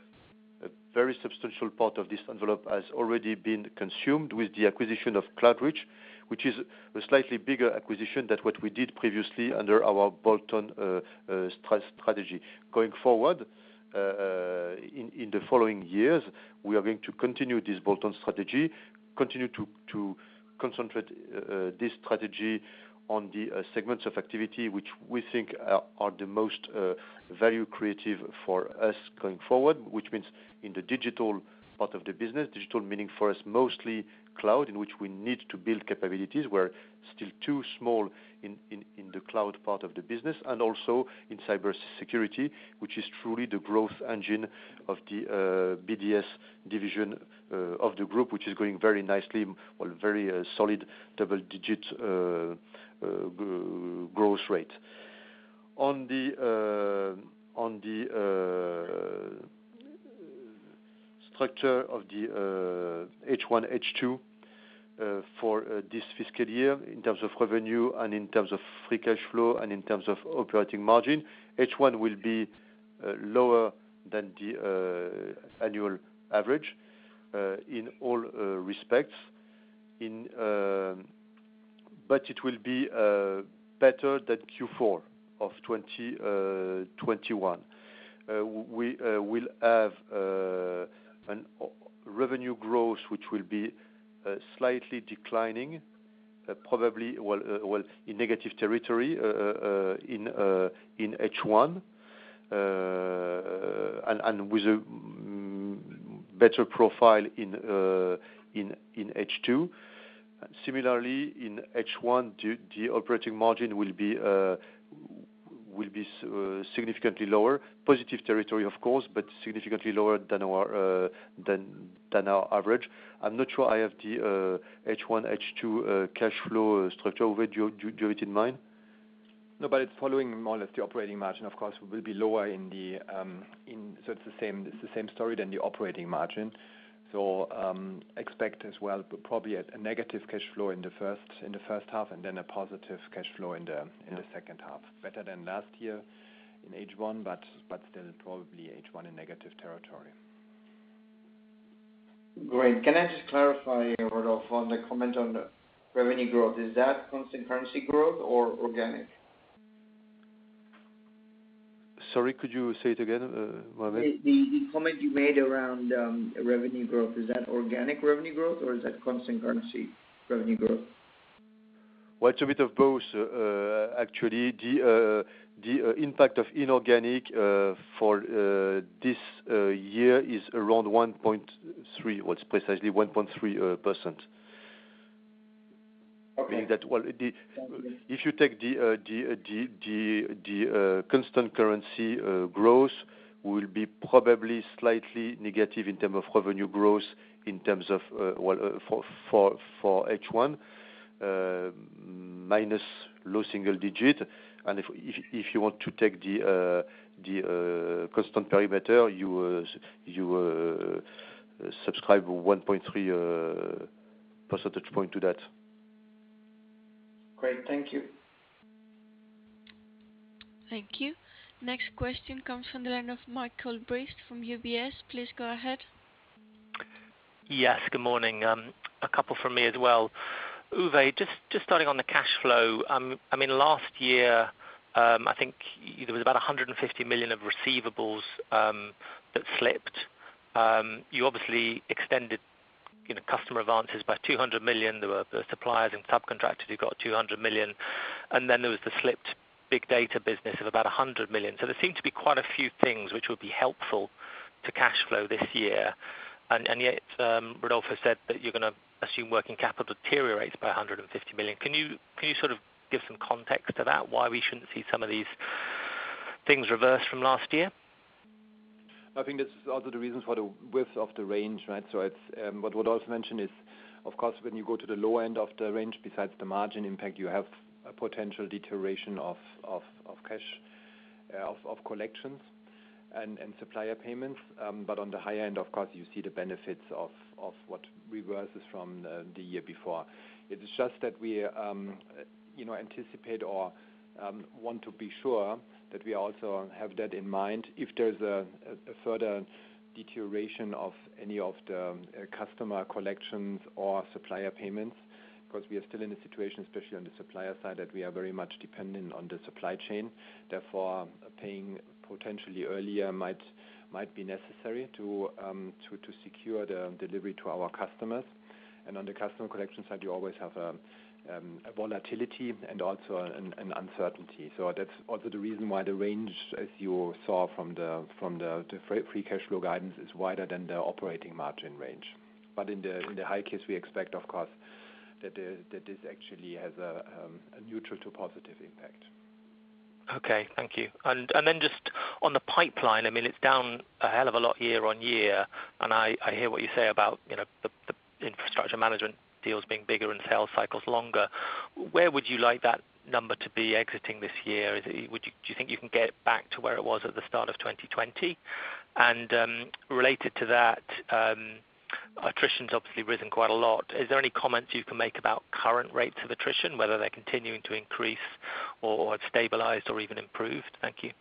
a very substantial part of this envelope has already been consumed with the acquisition of Cloudreach, which is a slightly bigger acquisition than what we did previously under our bolt-on strategy. Going forward, in the following years, we are going to continue this bolt-on strategy, continue to concentrate this strategy on the segments of activity which we think are the most value creative for us going forward, which means in the Digital part of the business. Digital meaning for us mostly cloud, in which we need to build capabilities. We're still too small in the cloud part of the business, and also in cybersecurity, which is truly the growth engine of the BDS division of the group, which is going very nicely, well, very solid double-digit growth rate. On the structure of the H1, H2 for this fiscal year in terms of revenue and in terms of free cash flow and in terms of operating margin, H1 will be lower than the annual average in all respects. It will be better than Q4 of 2021. We will have a revenue growth which will be slightly declining, probably well in negative territory in H1, with a better profile in H2. Similarly in H1, the operating margin will be significantly lower. Positive territory of course, but significantly lower than our average. I'm not sure I have the H1, H2 cash flow structure. Uwe, do you have it in mind? No, but it's following more or less the operating margin. Of course, we will be lower. It's the same story than the operating margin. Expect as well probably at a negative cash flow in the first half, and then a positive cash flow in the second half. Better than last year in H1, but still probably H1 in negative territory. Great. Can I just clarify, Rodolphe, on the comment on the revenue growth, is that constant currency growth or organic? Sorry, could you say it again, Mohammed? The comment you made around revenue growth, is that organic revenue growth or is that constant currency revenue growth? Well, it's a bit of both. Actually, the impact of inorganic for this year is around 1.3%. Well, it's precisely 1.3%. Okay. Meaning that, well, if you take the constant currency growth, it will be probably slightly negative in terms of revenue growth for H1, minus low single digit. If you want to take the constant perimeter, you subtract 1.3 percentage point to that. Great. Thank you. Thank you. Next question comes from the line of Michael Briest from UBS. Please go ahead. Yes. Good morning. A couple from me as well. Uwe, just starting on the cash flow, I mean, last year, I think there was about 150 million of receivables that slipped. You obviously extended, you know, customer advances by 200 million. There were the suppliers and subcontractors who got 200 million, and then there was the slipped Big Data business of about 100 million. There seemed to be quite a few things which would be helpful to cash flow this year. Yet, Rodolphe has said that you're gonna assume working capital deteriorates by 150 million. Can you sort of give some context to that, why we shouldn't see some of these things reverse from last year? I think that's also the reasons for the width of the range, right? It's what Rodolphe mentioned is, of course, when you go to the low end of the range, besides the margin impact, you have a potential deterioration of cash collections and supplier payments. On the high end, of course, you see the benefits of what reverses from the year before. It is just that we, you know, anticipate or want to be sure that we also have that in mind if there's a further deterioration of any of the customer collections or supplier payments. 'Cause we are still in a situation, especially on the supplier side, that we are very much dependent on the supply chain. Therefore, paying potentially earlier might be necessary to secure the delivery to our customers. On the customer collection side, you always have a volatility and also an uncertainty. That's also the reason why the range, as you saw from the free cash flow guidance, is wider than the operating margin range. In the high case, we expect, of course, that this actually has a neutral to positive impact. Okay. Thank you. And then just on the pipeline, I mean, it's down a hell of a lot year-on-year, and I hear what you say about, you know, the Infrastructure management deals being bigger and sales cycles longer. Where would you like that number to be exiting this year? Do you think you can get it back to where it was at the start of 2020? Related to that, attrition's obviously risen quite a lot. Is there any comments you can make about current rates of attrition, whether they're continuing to increase or have stabilized or even improved? Thank you.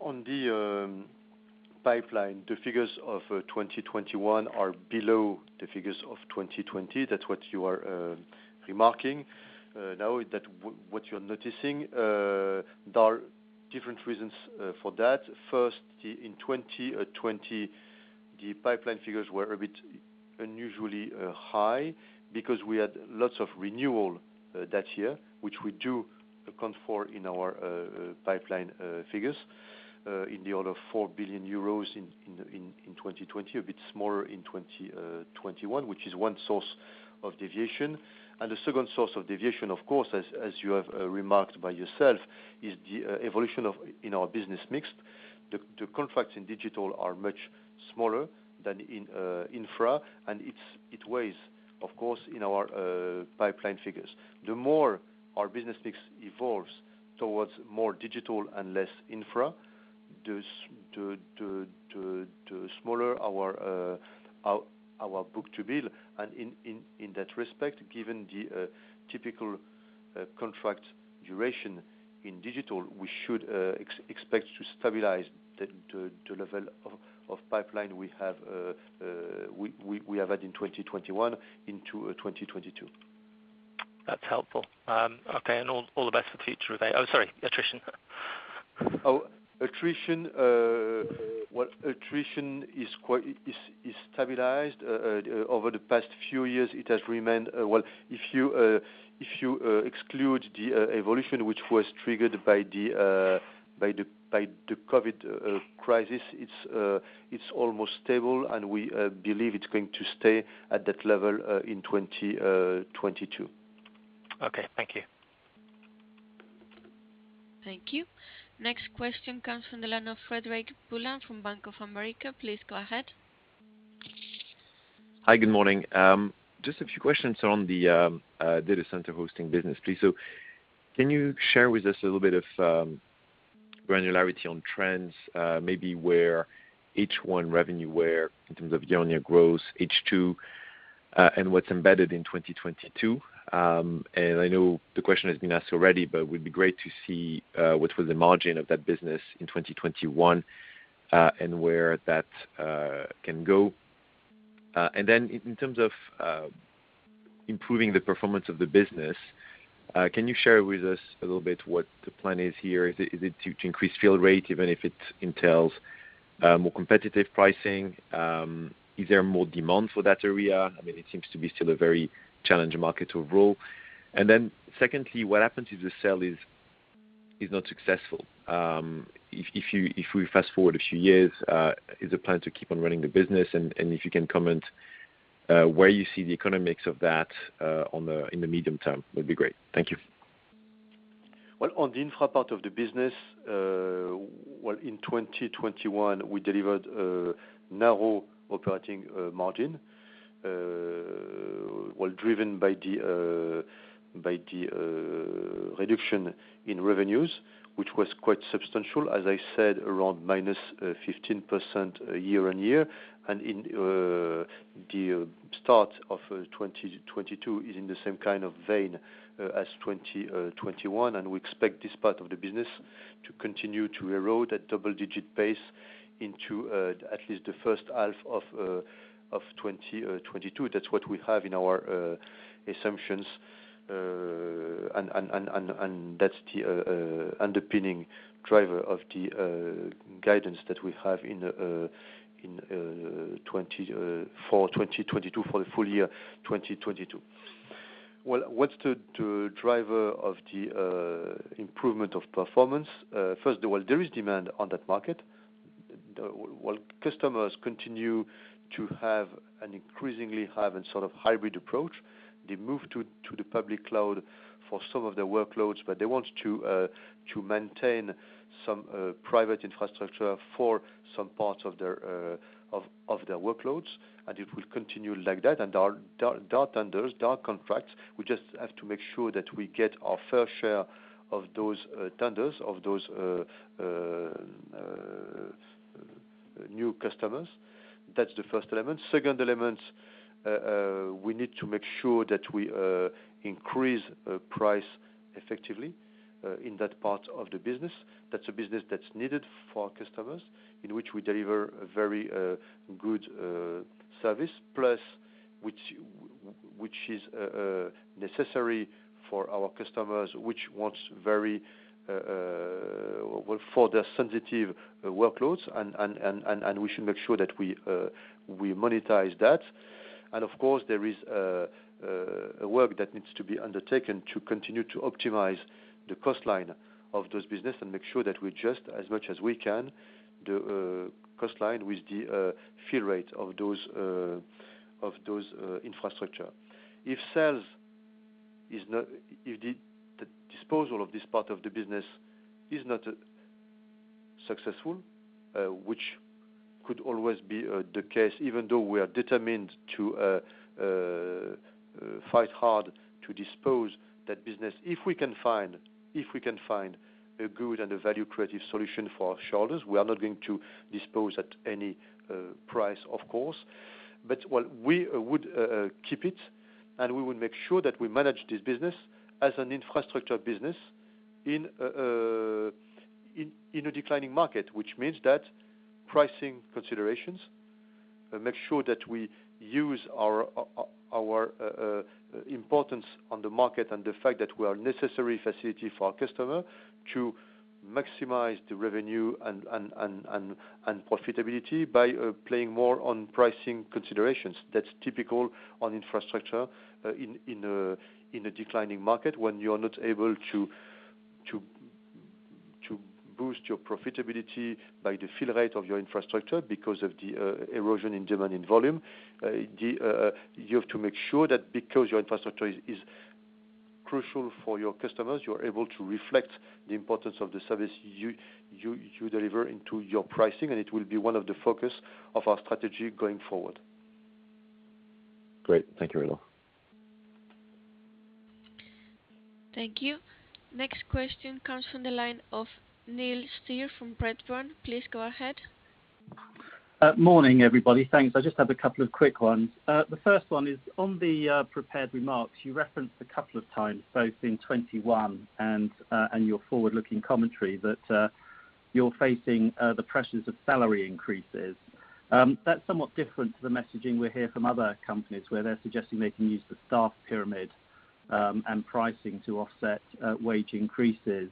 On the pipeline, the figures of 2021 are below the figures of 2020. That's what you are remarking. Now, what you're noticing, there are different reasons for that. First, in 2020, the pipeline figures were a bit unusually high because we had lots of renewal that year, which we do account for in our pipeline figures, in the order of 4 billion euros in 2020, a bit smaller in 2021, which is one source of deviation. The second source of deviation, of course, as you have remarked by yourself, is the evolution in our business mix. The contracts in Digital are much smaller than in Infra, and it weighs, of course, in our pipeline figures. The more our business mix evolves towards more Digital and less Infra, the smaller our book-to-bill, and in that respect, given the typical contract duration in Digital, we should expect to stabilize the level of pipeline we have had in 2021 into 2022. That's helpful. Okay. All the best for the future with that. Oh, sorry, attrition. Attrition is quite stabilized. Over the past few years, it has remained well, if you exclude the evolution which was triggered by the COVID crisis, it's almost stable, and we believe it's going to stay at that level in 2022. Okay. Thank you. Thank you. Next question comes from the line of Frederic Boulan from Bank of America. Please go ahead. Hi. Good morning. Just a few questions on the data center hosting business, please. Can you share with us a little bit of granularity on trends, maybe where H1 revenue in terms of year-on-year growth, H2 What's embedded in 2022. I know the question has been asked already, but it would be great to see what was the margin of that business in 2021, and where that can go. In terms of improving the performance of the business, can you share with us a little bit what the plan is here? Is it to increase field rate, even if it entails more competitive pricing? Is there more demand for that area? I mean, it seems to be still a very challenging market overall. Secondly, what happens if the sale is not successful? If we fast-forward a few years, is the plan to keep on running the business? If you can comment where you see the economics of that in the medium term, would be great. Thank you. On the Infra part of the business, in 2021, we delivered a narrow operating margin while driven by the reduction in revenues, which was quite substantial, as I said, around -15% year-on-year. In the start of 2022 is in the same kind of vein as 2021, and we expect this part of the business to continue to erode at double-digit pace into at least the first half of 2022. That's what we have in our assumptions. And that's the underpinning driver of the guidance that we have in 2022 for the full year 2022. What's the driver of the improvement of performance? First of all, there is demand on that market. Well, customers continue to have an increasingly high and sort of hybrid approach. They move to the public cloud for some of their workloads, but they want to maintain some private Infrastructure for some parts of their workloads, and it will continue like that. Our data tenders, data contracts, we just have to make sure that we get our fair share of those tenders, of those new customers. That's the first element. Second element, we need to make sure that we increase price effectively in that part of the business. That's a business that's needed for our customers, in which we deliver a very good service, plus which is necessary for our customers, which we want very well for their sensitive workloads, and we should make sure that we monetize that. Of course, there is a work that needs to be undertaken to continue to optimize the cost line of those business and make sure that we adjust, as much as we can, the cost line with the fill rate of those Infrastructure. If the disposal of this part of the business is not successful, which could always be the case, even though we are determined to fight hard to dispose of that business, if we can find a good and a value-creating solution for our shareholders, we are not going to dispose at any price, of course. While we would keep it, and we would make sure that we manage this business as an Infrastructure business in a declining market, which means that pricing considerations make sure that we use our importance on the market and the fact that we are a necessary facility for our customer to maximize the revenue and profitability by playing more on pricing considerations. That's typical on Infrastructure in a declining market, when you are not able to boost your profitability by the fill rate of your Infrastructure because of the erosion in demand and volume. You have to make sure that because your Infrastructure is crucial for your customers, you are able to reflect the importance of the service you deliver into your pricing, and it will be one of the focus of our strategy going forward. Great. Thank you, Rodolphe. Thank you. Next question comes from the line of Neil Steer from Redburn. Please go ahead. Morning, everybody. Thanks. I just have a couple of quick ones. The first one is on the prepared remarks, you referenced a couple of times, both in 2021 and your forward-looking commentary, that you're facing the pressures of salary increases. That's somewhat different to the messaging we hear from other companies, where they're suggesting they can use the staff pyramid and pricing to offset wage increases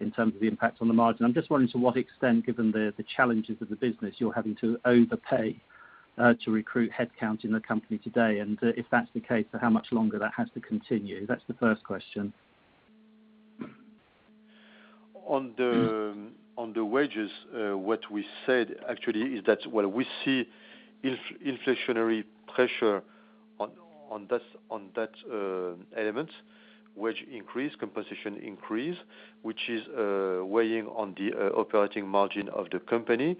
in terms of the impact on the margin. I'm just wondering to what extent, given the challenges of the business, you're having to overpay to recruit headcount in the company today, and if that's the case, for how much longer that has to continue? That's the first question. On the wages, what we said actually is that, well, we see inflationary pressure on that element, wage increase, compensation increase, which is weighing on the operating margin of the company.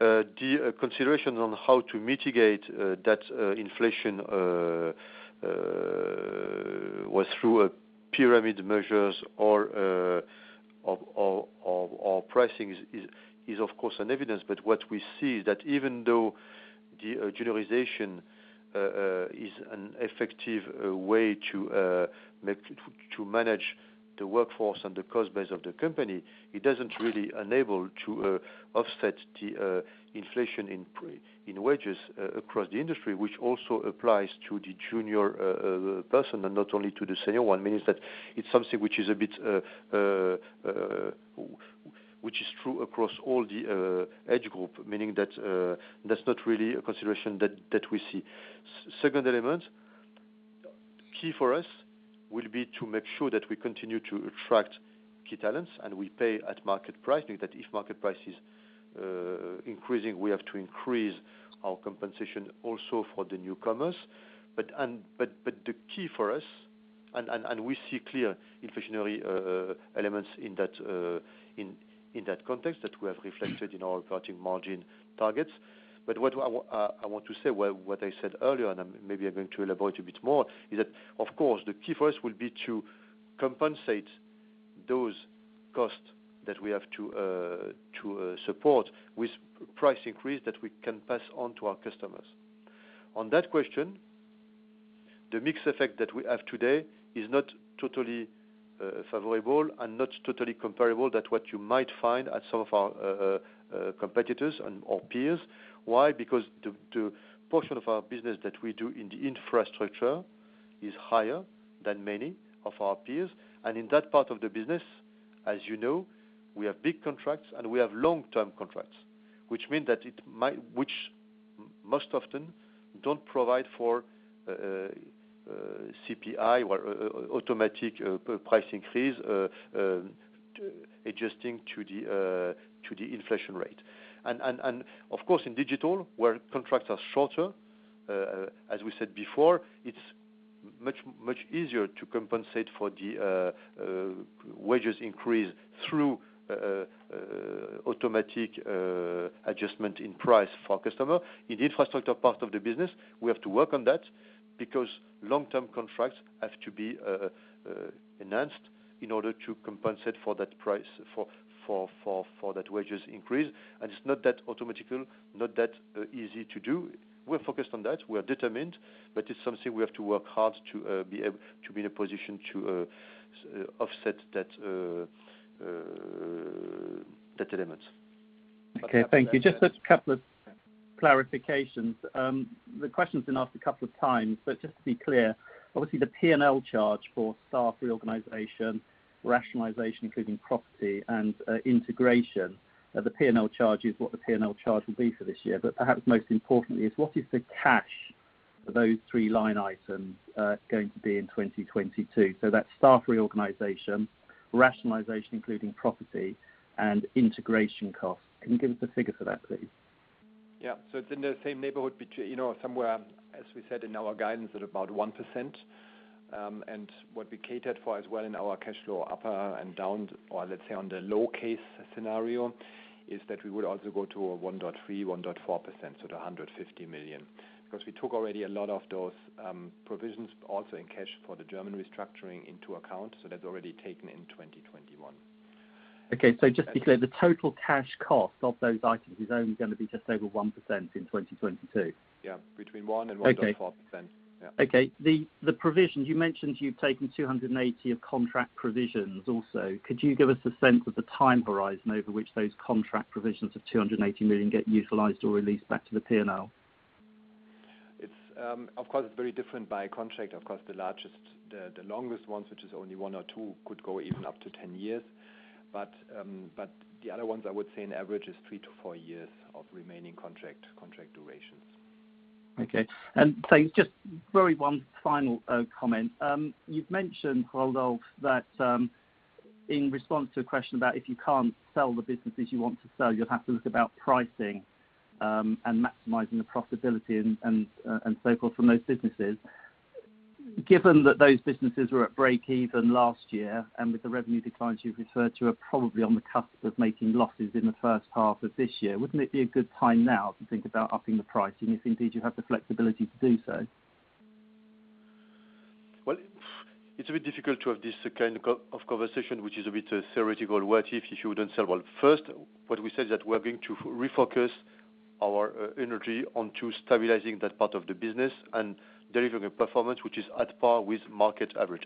The consideration on how to mitigate that inflation was through a pricing measures or of pricing is of course evident. What we see is that even though juniorization is an effective way to manage the workforce and the cost base of the company, it doesn't really enable to offset the inflation in premium wages across the industry, which also applies to the junior person and not only to the senior one. Meaning that it's something which is a bit which is true across all the age group, meaning that that's not really a consideration that we see. Second element, key for us will be to make sure that we continue to attract key talents, and we pay at market price. Meaning that if market price is increasing, we have to increase our compensation also for the newcomers. The key for us and we see clear inflationary elements in that context that we have reflected in our operating margin targets. I want to say, well, what I said earlier, and I'm maybe going to elaborate a bit more, is that of course, the key for us will be to compensate those costs that we have to support with price increase that we can pass on to our customers. On that question, the mix effect that we have today is not totally favorable and not totally comparable to what you might find at some of our competitors and or peers. Why? Because the portion of our business that we do in the Infrastructure is higher than many of our peers. In that part of the business, as you know, we have big contracts, and we have long-term contracts, which mean that it might. Which most often don't provide for CPI or automatic price increase, adjusting to the inflation rate. Of course, in Digital, where contracts are shorter, as we said before, it's much easier to compensate for the wages increase through automatic adjustment in price for customer. In the Infrastructure part of the business, we have to work on that because long-term contracts have to be enhanced in order to compensate for that price for that wages increase. It's not that automatic, not that easy to do. We're focused on that. We are determined, but it's something we have to work hard to be able to be in a position to offset that element. Okay, thank you. Just a couple of clarifications. The question's been asked a couple of times, but just to be clear, obviously the P&L charge for staff reorganization, rationalization, including property and integration, the P&L charge is what the P&L charge will be for this year. Perhaps most importantly is what is the cash for those three line items going to be in 2022? That's staff reorganization, rationalization, including property and integration costs. Can you give us a figure for that, please? Yeah. It's in the same neighborhood you know, somewhere, as we said in our guidance at about 1%. What we catered for as well in our cash flow upside and downside, or let's say on the low case scenario, is that we would also go to a 1.3%-1.4%, so to 150 million. 'Cause we took already a lot of those provisions also in cash for the German restructuring into account. That's already taken in 2021. Okay. Just to be clear, the total cash cost of those items is only gonna be just over 1% in 2022? Yeah, between 1% and 1.4%. Okay. Yeah. Okay. The provisions you mentioned you've taken 280 million of contract provisions also. Could you give us a sense of the time horizon over which those contract provisions of 280 million get utilized or released back to the P&L? Of course, it's very different by contract. Of course, the largest, the longest ones, which is only 1 or 2, could go even up to 10 years. The other ones, I would say on average is 3-4 years of remaining contract durations. Okay. Thanks. Just one very final comment. You've mentioned, Rodolphe, that in response to a question about if you can't sell the businesses you want to sell, you'll have to look about pricing and maximizing the profitability and so forth from those businesses. Given that those businesses were at break even last year, and with the revenue declines you've referred to are probably on the cusp of making losses in the first half of this year, wouldn't it be a good time now to think about upping the pricing if indeed you have the flexibility to do so? Well, it's a bit difficult to have this kind of conversation, which is a bit of a theoretical what if you wouldn't sell. Well, first, what we said is that we're going to refocus our energy onto stabilizing that part of the business and delivering a performance which is at par with market average.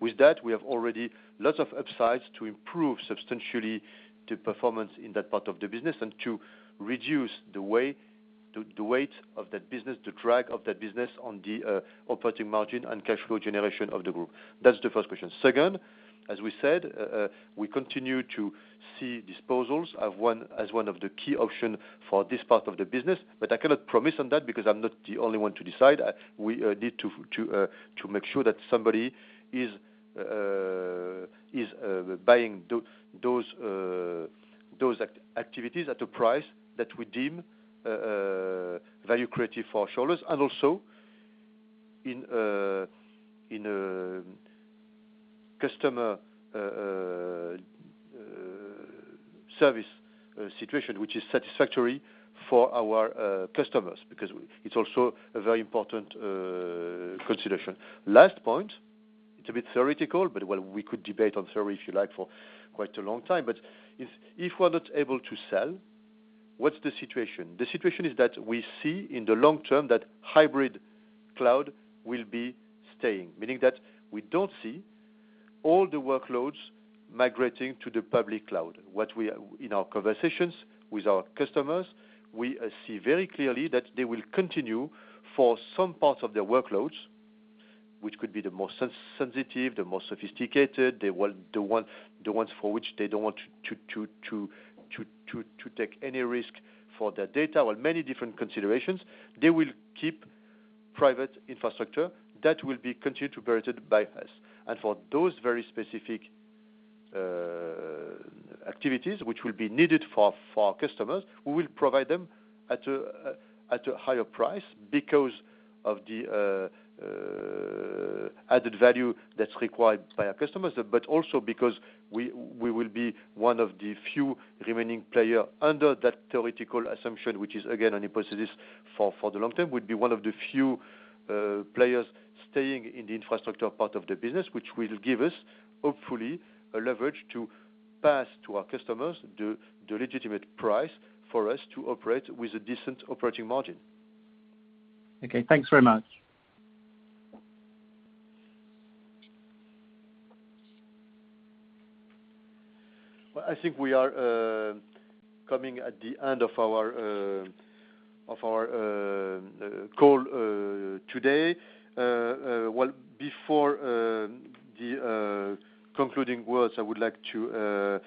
With that, we have already lots of upsides to improve substantially the performance in that part of the business and to reduce the weight of that business, the drag of that business on the operating margin and cash flow generation of the group. That's the first question. Second, as we said, we continue to see disposals as one of the key option for this part of the business, but I cannot promise on that because I'm not the only one to decide. We need to make sure that somebody is buying those activities at a price that we deem value creative for our shareholders, and also in a customer divestiture situation, which is satisfactory for our customers, because it's also a very important consideration. Last point, it's a bit theoretical, but well, we could debate on theory if you like for quite a long time. If we're not able to sell, what's the situation? The situation is that we see in the long term that hybrid cloud will be staying, meaning that we don't see all the workloads migrating to the public cloud. What we in our conversations with our customers, we see very clearly that they will continue for some parts of their workloads, which could be the more sensitive, the more sophisticated, the ones for which they don't want to take any risk for their data or many different considerations. They will keep private Infrastructure that will be continued to be operated by us. For those very specific activities which will be needed for our customers, we will provide them at a higher price because of the added value that's required by our customers, but also because we will be one of the few remaining players under that theoretical assumption, which is again a hypothesis for the long term, would be one of the few players staying in the Infrastructure part of the business, which will give us hopefully a leverage to pass to our customers the legitimate price for us to operate with a decent operating margin. Okay, thanks very much. Well, I think we are coming to the end of our call today. Well, before the concluding words, I would like to,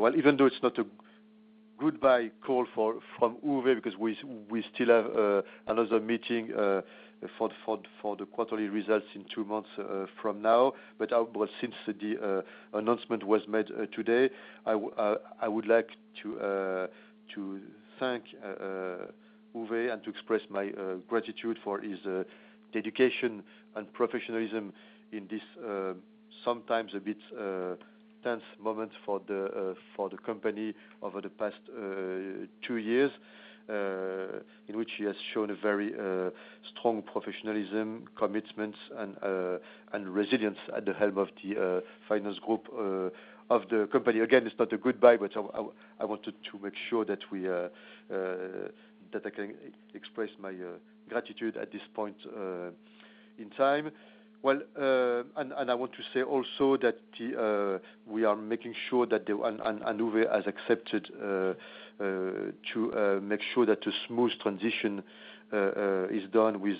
well, even though it's not a goodbye call from Uwe, because we still have another meeting for the quarterly results in two months from now. Since the announcement was made today, I would like to thank Uwe and to express my gratitude for his dedication and professionalism in this, sometimes a bit tense moment for the company over the past two years, in which he has shown a very strong professionalism, commitment and resilience at the helm of the finance group of the company. Again, it's not a goodbye, but I wanted to make sure that I can express my gratitude at this point in time. Well, I want to say also that we are making sure that Uwe has accepted to make sure that a smooth transition is done with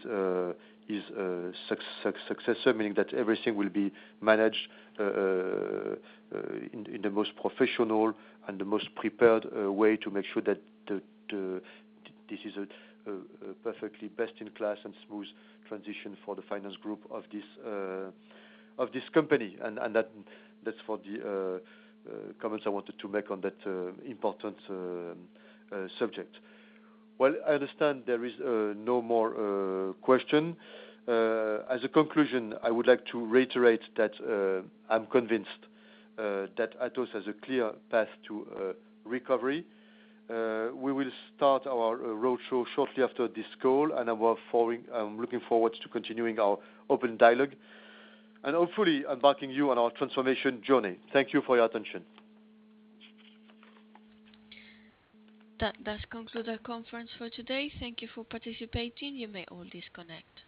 his successor, meaning that everything will be managed in the most professional and the most prepared way to make sure that this is a perfectly best in class and smooth transition for the finance group of this company. That's for the comments I wanted to make on that important subject. Well, I understand there is no more question. As a conclusion, I would like to reiterate that I'm convinced that Atos has a clear path to recovery. We will start our roadshow shortly after this call, and I'm looking forward to continuing our open dialogue and hopefully embarking you on our transformation journey. Thank you for your attention. That does conclude our conference for today. Thank you for participating. You may all disconnect.